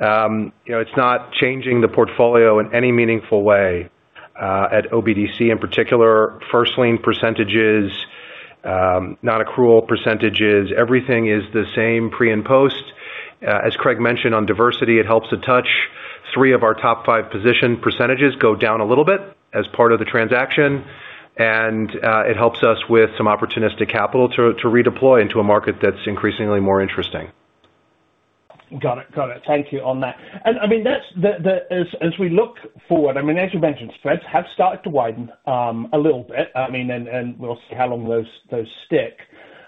D: you know, it's not changing the portfolio in any meaningful way, at OBDC in particular. First-lien percentages, non-accrual percentages, everything is the same pre and post. As Craig mentioned on diversification, it helps a touch. Three of our top five position percentages go down a little bit as part of the transaction, and it helps us with some opportunistic capital to redeploy into a market that's increasingly more interesting.
I: Got it. Got it. Thank you on that. And I mean, that's the, the... As we look forward, I mean, as you mentioned, spreads have started to widen a little bit. I mean, and we'll see how long those stick.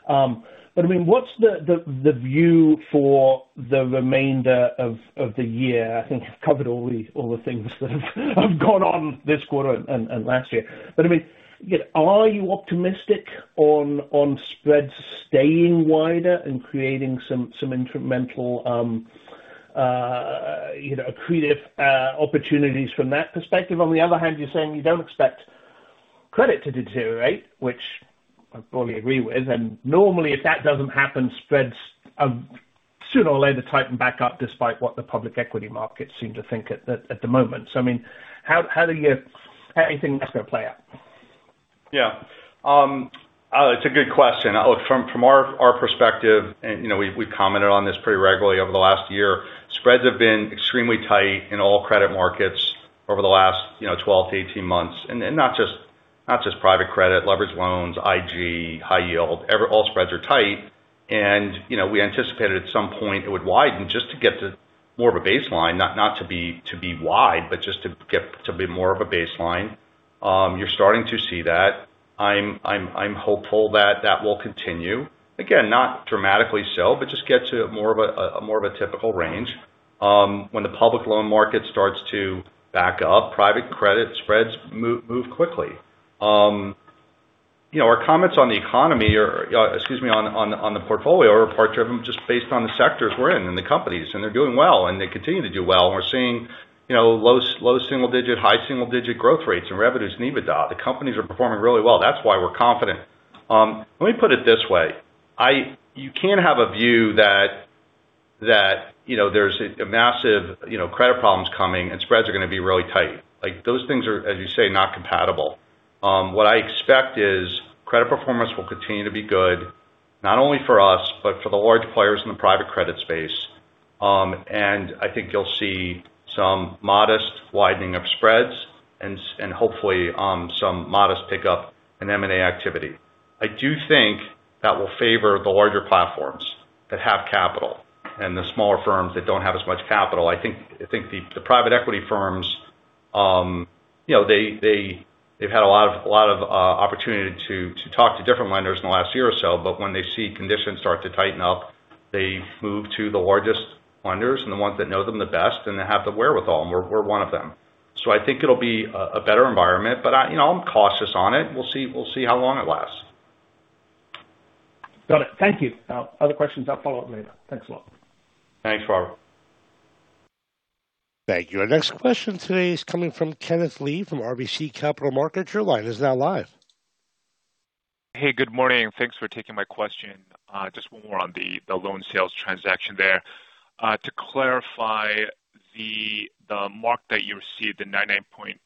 I: But I mean, what's the view for the remainder of the year? I think you've covered all the things that have gone on this quarter and last year. But I mean, again, are you optimistic on spreads staying wider and creating some incremental, you know, accretive opportunities from that perspective? On the other hand, you're saying you don't expect credit to deteriorate, which I fully agree with. Normally, if that doesn't happen, spreads sooner or later tighten back up, despite what the public equity markets seem to think at the moment. So, I mean, how do you think that's gonna play out?
C: Yeah. It's a good question. Look, from our perspective, and, you know, we've commented on this pretty regularly over the last year, spreads have been extremely tight in all credit markets over the last, you know, 12-18 months. And not just private credit, leveraged loans, IG, high yield, all spreads are tight. And, you know, we anticipated at some point it would widen just to get to more of a baseline, not to be wide, but just to get to be more of a baseline. You're starting to see that. I'm hopeful that will continue. Again, not dramatically so, but just get to more of a typical range. When the public loan market starts to back up, private credit spreads move quickly. You know, our comments on the portfolio are part driven just based on the sectors we're in and the companies, and they're doing well, and they continue to do well. We're seeing, you know, low single digit, high single digit growth rates and revenues and EBITDA. The companies are performing really well. That's why we're confident. Let me put it this way, you can't have a view that you know, there's a massive, you know, credit problems coming and spreads are gonna be really tight. Like, those things are, as you say, not compatible. What I expect is credit performance will continue to be good, not only for us, but for the large players in the private credit space. I think you'll see some modest widening of spreads and hopefully some modest pickup in M&A activity. I do think that will favor the larger platforms that have capital, and the smaller firms that don't have as much capital. I think the private equity firms, you know, they've had a lot of opportunity to talk to different lenders in the last year or so, but when they see conditions start to tighten up, they move to the largest lenders and the ones that know them the best and that have the wherewithal, and we're one of them. So I think it'll be a better environment. But, you know, I'm cautious on it. We'll see, we'll see how long it lasts.
I: Got it. Thank you. Other questions, I'll follow up later. Thanks a lot.
C: Thanks, Robert.
A: Thank you. Our next question today is coming from Kenneth Lee, from RBC Capital Markets. Your line is now live.
J: Hey, good morning, and thanks for taking my question. Just one more on the loan sales transaction there. To clarify the mark that you received, the 99.8%,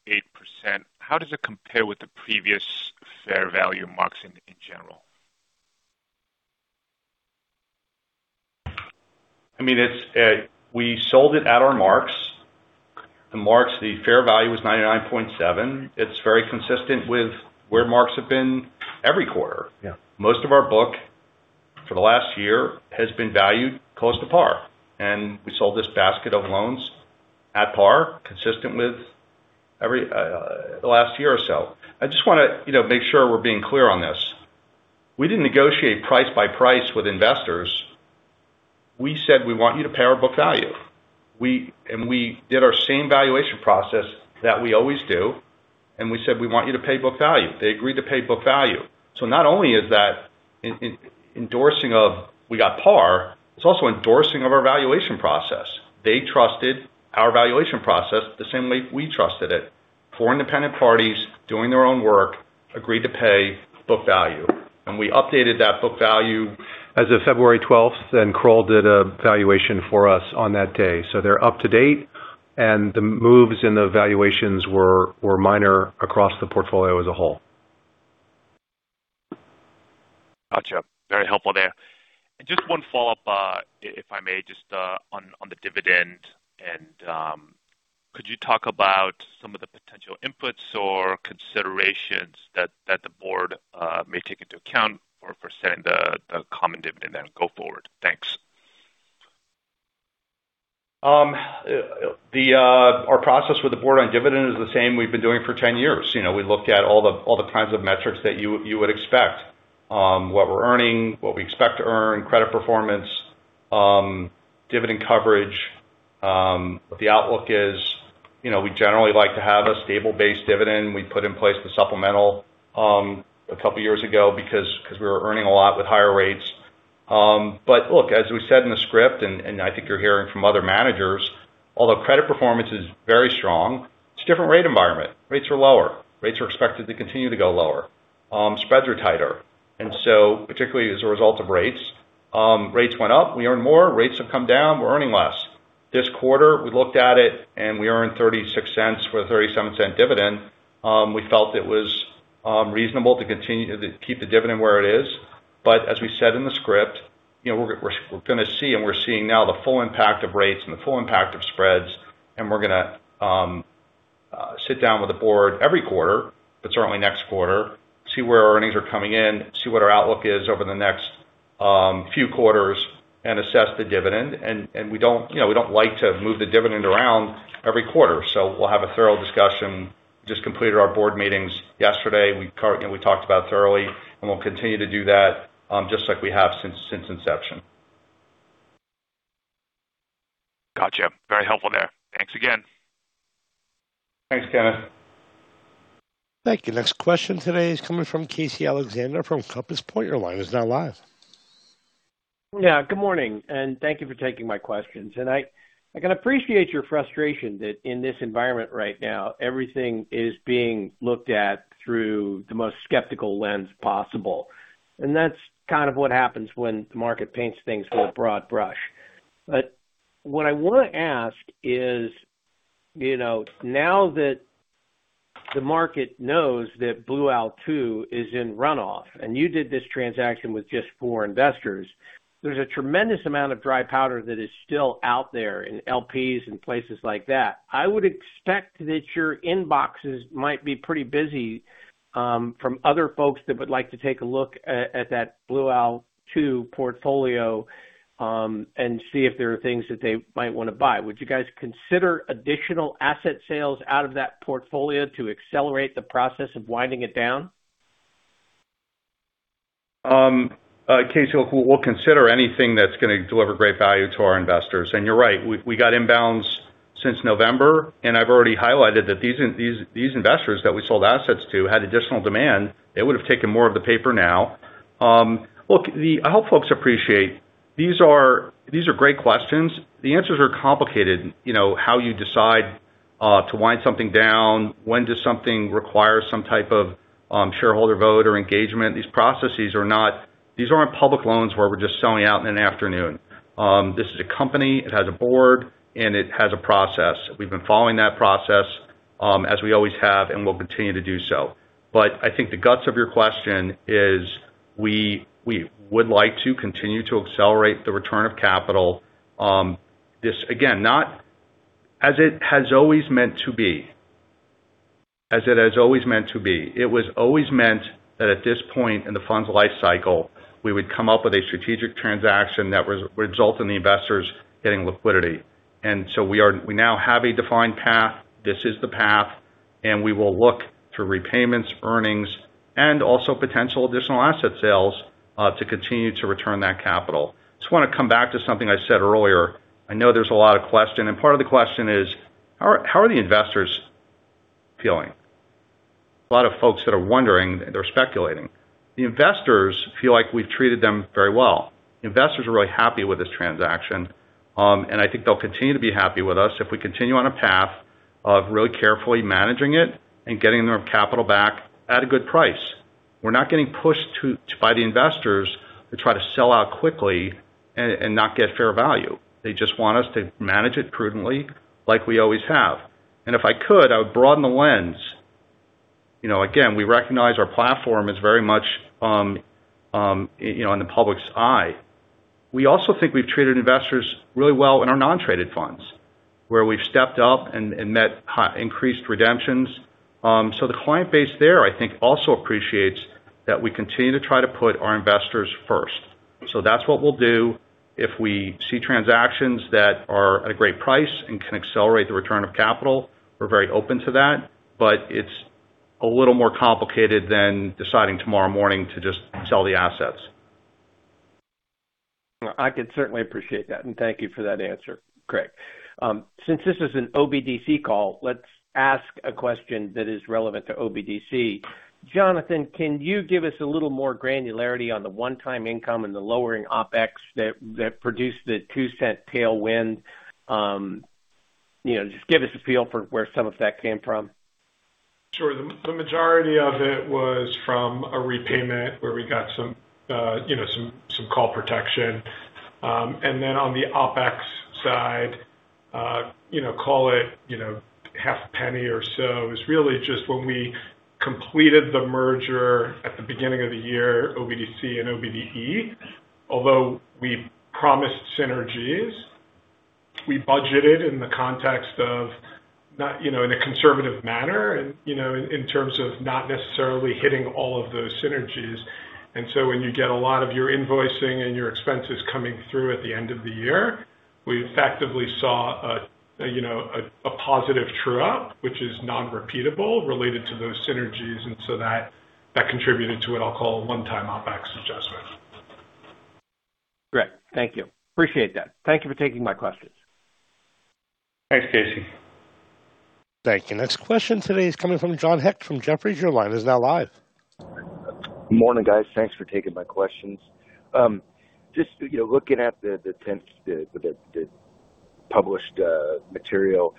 J: how does it compare with the previous fair value marks in general?
C: I mean, it's, we sold it at our marks. The marks, the fair value was 99.7%. It's very consistent with where marks have been every quarter.
J: Yeah.
C: Most of our book, for the last year, has been valued close to par, and we sold this basket of loans at par, consistent with every, the last year or so. I just wanna, you know, make sure we're being clear on this. We didn't negotiate price by price with investors. We said: We want you to pay our book value. And we did our same valuation process that we always do, and we said, "We want you to pay book value." They agreed to pay book value. So not only is that endorsing of we got par, it's also endorsing of our valuation process. They trusted our valuation process the same way we trusted it. Four independent parties, doing their own work, agreed to pay book value. We updated that book value as of February 12th, and Kroll did a valuation for us on that day. So they're up to date, and the moves in the valuations were minor across the portfolio as a whole.
J: Gotcha. Very helpful there. And just one follow-up, if I may, just on the dividend, and could you talk about some of the potential inputs or considerations that the board may take into account for setting the common dividend and go forward? Thanks.
C: Our process with the board on dividend is the same we've been doing for 10 years. You know, we looked at all the, all the kinds of metrics that you, you would expect, what we're earning, what we expect to earn, credit performance, dividend coverage, what the outlook is. You know, we generally like to have a stable base dividend. We put in place the supplemental, a couple of years ago because, because we were earning a lot with higher rates. But look, as we said in the script, and, and I think you're hearing from other managers, although credit performance is very strong, it's a different rate environment. Rates are lower. Rates are expected to continue to go lower. Spreads are tighter. And so particularly as a result of rates, rates went up, we earned more. Rates have come down, we're earning less. This quarter, we looked at it and we earned $0.36 for a $0.37 dividend. We felt it was reasonable to continue to keep the dividend where it is. But as we said in the script, you know, we're, we're, we're gonna see, and we're seeing now the full impact of rates and the full impact of spreads. We're gonna sit down with the board every quarter, but certainly next quarter, see where our earnings are coming in, see what our outlook is over the next few quarters, and assess the dividend. And, and we don't, you know, we don't like to move the dividend around every quarter, so we'll have a thorough discussion. Just completed our board meetings yesterday. We, you know, we talked about it thoroughly, and we'll continue to do that, just like we have since inception.
J: Gotcha. Very helpful there. Thanks again.
C: Thanks, Kenneth.
A: Thank you. Next question today is coming from Casey Alexander from Compass Point. Your line is now live.
K: Yeah, good morning, and thank you for taking my questions. And I, I can appreciate your frustration that in this environment right now, everything is being looked at through the most skeptical lens possible. And that's kind of what happens when the market paints things with a broad brush. But what I wanna ask is, you know, now that the market knows that Blue Owl II is in runoff, and you did this transaction with just four investors, there's a tremendous amount of dry powder that is still out there in LPs and places like that. I would expect that your inboxes might be pretty busy, from other folks that would like to take a look at that Blue Owl II portfolio, and see if there are things that they might wanna buy. Would you guys consider additional asset sales out of that portfolio to accelerate the process of winding it down?
C: Casey, look, we'll consider anything that's gonna deliver great value to our investors. And you're right, we've got inbounds since November, and I've already highlighted that these investors that we sold assets to had additional demand. They would have taken more of the paper now. Look, I hope folks appreciate, these are great questions. The answers are complicated, you know, how you decide to wind something down? When does something require some type of shareholder vote or engagement? These processes are not. These aren't public loans where we're just selling out in an afternoon. This is a company, it has a board, and it has a process. We've been following that process as we always have, and we'll continue to do so. But I think the guts of your question is, we would like to continue to accelerate the return of capital. This, again, not as it has always meant to be, as it has always meant to be. It was always meant that at this point in the fund's life cycle, we would come up with a strategic transaction that result in the investors getting liquidity. And so we now have a defined path. This is the path, and we will look to repayments, earnings, and also potential additional asset sales to continue to return that capital. Just wanna come back to something I said earlier. I know there's a lot of question, and part of the question is: How are the investors feeling? A lot of folks that are wondering, they're speculating. The investors feel like we've treated them very well. Investors are really happy with this transaction, and I think they'll continue to be happy with us if we continue on a path of really carefully managing it and getting their capital back at a good price. We're not getting pushed by the investors to try to sell out quickly and not get fair value. They just want us to manage it prudently, like we always have. And if I could, I would broaden the lens. You know, again, we recognize our platform is very much, you know, in the public's eye. We also think we've treated investors really well in our non-traded funds, where we've stepped up and met high increased redemptions. So the client base there, I think, also appreciates that we continue to try to put our investors first. So that's what we'll do. If we see transactions that are at a great price and can accelerate the return of capital, we're very open to that, but it's a little more complicated than deciding tomorrow morning to just sell the assets.
K: I can certainly appreciate that, and thank you for that answer, Craig. Since this is an OBDC call, let's ask a question that is relevant to OBDC. Jonathan, can you give us a little more granularity on the one-time income and the lowering OpEx that produced the $0.02 tailwind? You know, just give us a feel for where some of that came from.
E: Sure. The majority of it was from a repayment where we got some, you know, some call protection. And then on the OpEx side, you know, call it $0.005 or so, is really just when we completed the merger at the beginning of the year, OBDC and OBDE. Although we promised synergies, we budgeted in the context of not, you know, in a conservative manner and, you know, in terms of not necessarily hitting all of those synergies. And so when you get a lot of your invoicing and your expenses coming through at the end of the year, we effectively saw a, you know, a positive true-up, which is non-repeatable, related to those synergies, and so that contributed to it. I'll call a one-time OpEx adjustment.
K: Great. Thank you. Appreciate that. Thank you for taking my questions.
E: Thanks, Casey.
A: Thank you. Next question today is coming from John Hecht from Jefferies. Your line is now live.
L: Good morning, guys. Thanks for taking my questions. Just, you know, looking at the 10th published material,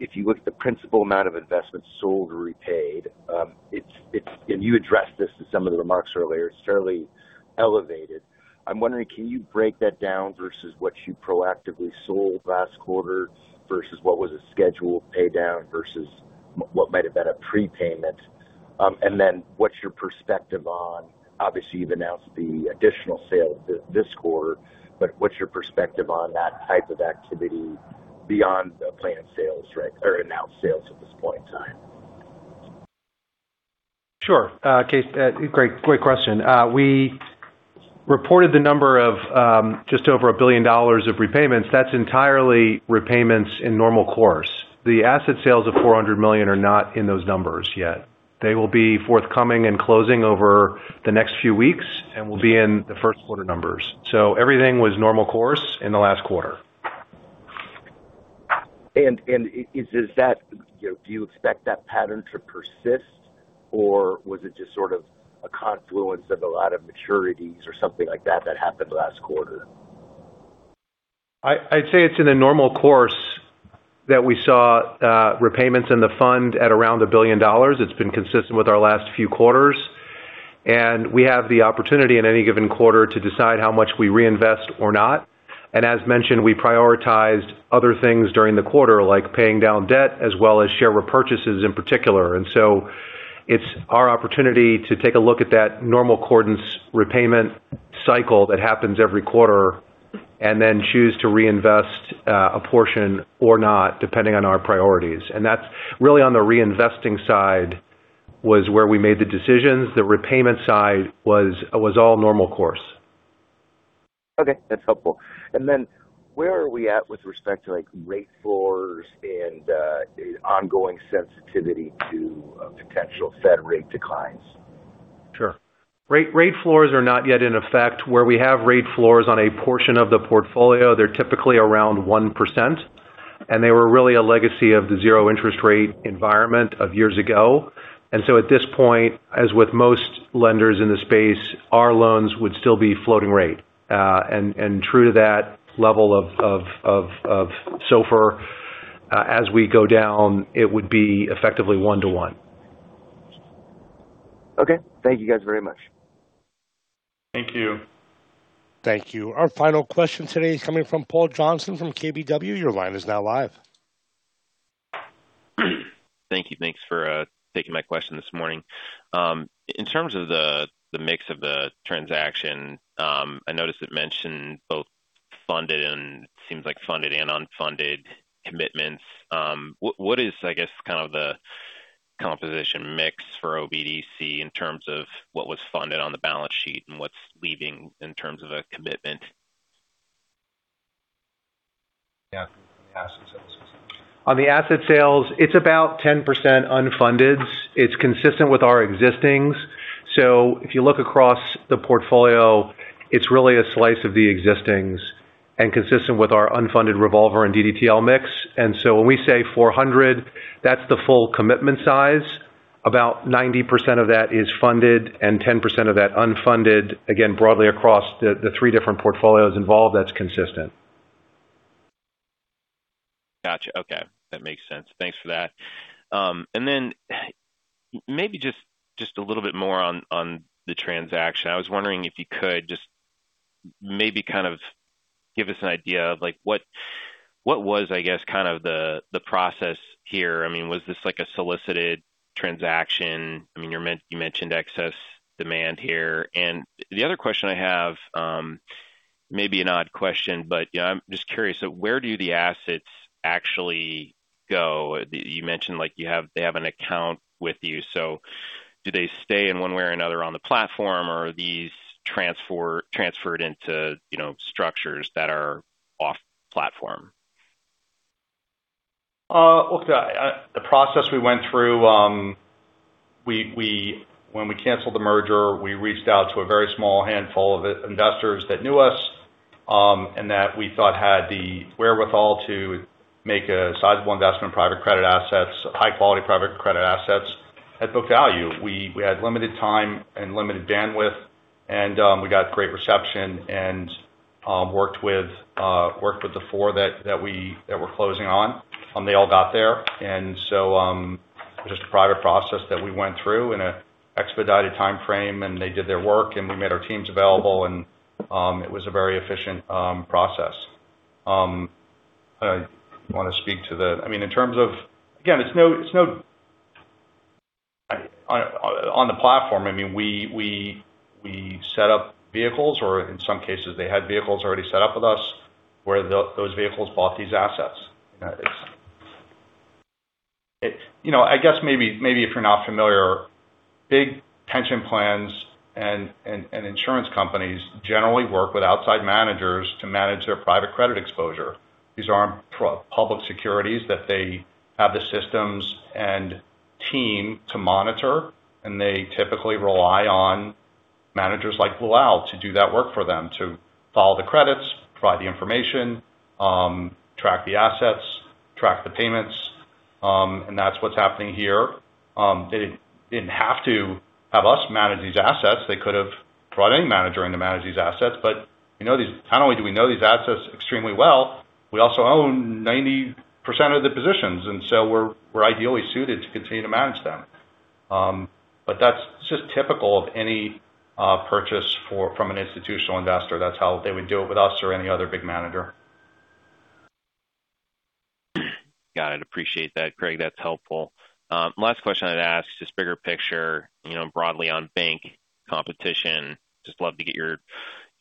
L: if you look at the principal amount of investments sold or repaid, it's, it's - and you addressed this in some of the remarks earlier, it's certainly elevated. I'm wondering, can you break that down versus what you proactively sold last quarter versus what was a scheduled pay down versus what might have been a prepayment? And then what's your perspective on - obviously, you've announced the additional sale of this quarter, but what's your perspective on that type of activity beyond the planned sales right, or announced sales at this point in time?
D: Sure. Casey, great, great question. We reported the number of just over $1 billion of repayments. That's entirely repayments in normal course. The asset sales of $400 million are not in those numbers yet. They will be forthcoming and closing over the next few weeks and will be in the first quarter numbers. So everything was normal course in the last quarter.
L: Is that, you know, do you expect that pattern to persist, or was it just sort of a confluence of a lot of maturities or something like that, that happened last quarter?
D: I'd say it's in a normal course that we saw repayments in the fund at around $1 billion. It's been consistent with our last few quarters, and we have the opportunity in any given quarter to decide how much we reinvest or not. And as mentioned, we prioritized other things during the quarter, like paying down debt as well as share repurchases in particular. And so it's our opportunity to take a look at that normal course repayment cycle that happens every quarter, and then choose to reinvest a portion or not, depending on our priorities. And that's really on the reinvesting side, was where we made the decisions. The repayment side was all normal course.
L: Okay, that's helpful. And then where are we at with respect to, like, rate floors and ongoing sensitivity to potential Fed rate declines?
D: Sure. Rate floors are not yet in effect. Where we have rate floors on a portion of the portfolio, they're typically around 1%, and they were really a legacy of the zero interest rate environment of years ago. And so at this point, as with most lenders in the space, our loans would still be floating rate. True to that level of SOFR, as we go down, it would be effectively 1:1.
L: Okay. Thank you, guys, very much.
D: Thank you.
A: Thank you. Our final question today is coming from Paul Johnson from KBW. Your line is now live.
M: Thank you. Thanks for taking my question this morning. In terms of the, the mix of the transaction, I noticed it mentioned both funded and seems like funded and unfunded commitments. What, what is, I guess, kind of the composition mix for OBDC in terms of what was funded on the balance sheet and what's leaving in terms of a commitment?
E: Yeah, the asset sales.
D: On the asset sales, it's about 10% unfunded. It's consistent with our existing. So if you look across the portfolio, it's really a slice of the existing and consistent with our unfunded revolver and DDTL mix. And so when we say 400, that's the full commitment size. About 90% of that is funded and 10% of that unfunded. Again, broadly across the three different portfolios involved, that's consistent.
M: Gotcha. Okay, that makes sense. Thanks for that. And then maybe just, just a little bit more on, on the transaction. I was wondering if you could just maybe kind of give us an idea of, like, what, what was, I guess, kind of the, the process here? I mean, was this like a solicited transaction? I mean, you mentioned excess demand here. And the other question I have, maybe an odd question, but, you know, I'm just curious, where do the assets actually go? You, you mentioned, like, you have they have an account with you. So do they stay in one way or another on the platform, or are these transfer, transferred into, you know, structures that are off platform?
C: Look, the process we went through, we -- when we canceled the merger, we reached out to a very small handful of investors that knew us, and that we thought had the wherewithal to make a sizable investment in private credit assets, high quality private credit assets, at book value. We had limited time and limited bandwidth and we got great reception and worked with, worked with the four that we're closing on, they all got there. And so, just a private process that we went through in an expedited timeframe, and they did their work, and we made our teams available, and it was a very efficient process. I wanna speak to the... I mean, in terms of -- again, it's no, on the platform. I mean, we set up vehicles, or in some cases, they had vehicles already set up with us, where those vehicles bought these assets. It's. You know, I guess maybe if you're not familiar, big pension plans and insurance companies generally work with outside managers to manage their private credit exposure. These aren't public securities that they have the systems and team to monitor, and they typically rely on managers like Blue Owl to do that work for them, to follow the credits, provide the information, track the assets, track the payments, and that's what's happening here. They didn't have to have us manage these assets. They could have brought any manager in to manage these assets. But we know these, not only do we know these assets extremely well, we also own 90% of the positions, and so we're, we're ideally suited to continue to manage them. But that's just typical of any purchase from an institutional investor. That's how they would do it with us or any other big manager.
M: Got it. Appreciate that, Craig. That's helpful. Last question I'd ask, just bigger picture, you know, broadly on bank competition. Just love to get your,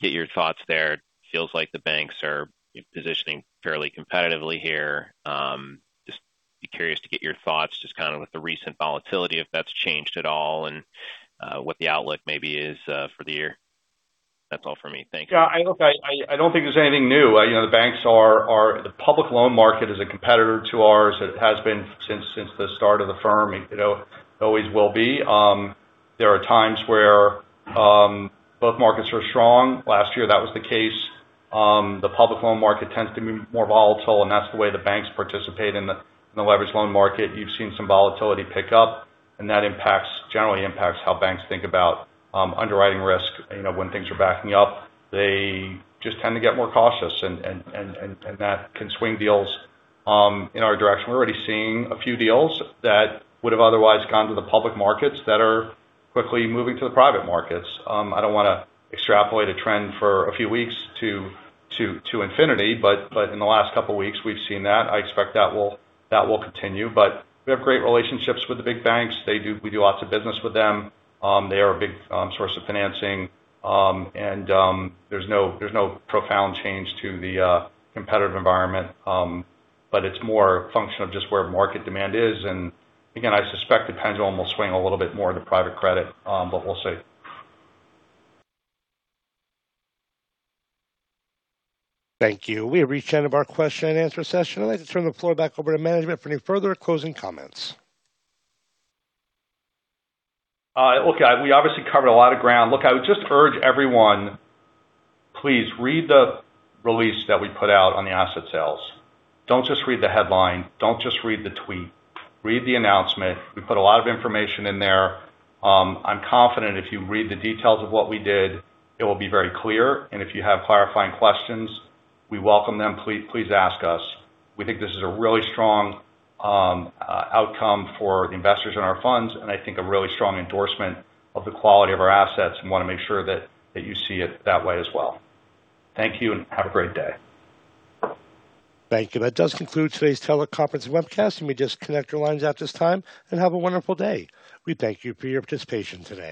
M: get your thoughts there. It feels like the banks are positioning fairly competitively here. Just be curious to get your thoughts, just kind of with the recent volatility, if that's changed at all, and, what the outlook maybe is, for the year. That's all for me. Thank you.
C: Yeah, look, I don't think there's anything new. You know, the banks are. The public loan market is a competitor to ours. It has been since the start of the firm, and, you know, always will be. There are times where both markets are strong. Last year, that was the case. The public loan market tends to be more volatile, and that's the way the banks participate in the leverage loan market. You've seen some volatility pick up, and that impacts, generally impacts how banks think about underwriting risk. You know, when things are backing up, they just tend to get more cautious and that can swing deals in our direction. We're already seeing a few deals that would have otherwise gone to the public markets that are quickly moving to the private markets. I don't wanna extrapolate a trend for a few weeks to infinity, but in the last couple weeks, we've seen that. I expect that will continue. But we have great relationships with the big banks. They do. We do lots of business with them. They are a big source of financing, and there's no profound change to the competitive environment. But it's more a function of just where market demand is. And again, I suspect the pendulum will swing a little bit more to private credit, but we'll see.
A: Thank you. We have reached the end of our question and answer session. I'd like to turn the floor back over to management for any further closing comments.
C: Look, we obviously covered a lot of ground. Look, I would just urge everyone, please read the release that we put out on the asset sales. Don't just read the headline. Don't just read the tweet. Read the announcement. We put a lot of information in there. I'm confident if you read the details of what we did, it will be very clear, and if you have clarifying questions, we welcome them. Please ask us. We think this is a really strong outcome for the investors in our funds, and I think a really strong endorsement of the quality of our assets. We wanna make sure that you see it that way as well. Thank you, and have a great day.
A: Thank you. That does conclude today's teleconference webcast, and we just connect your lines at this time, and have a wonderful day. We thank you for your participation today.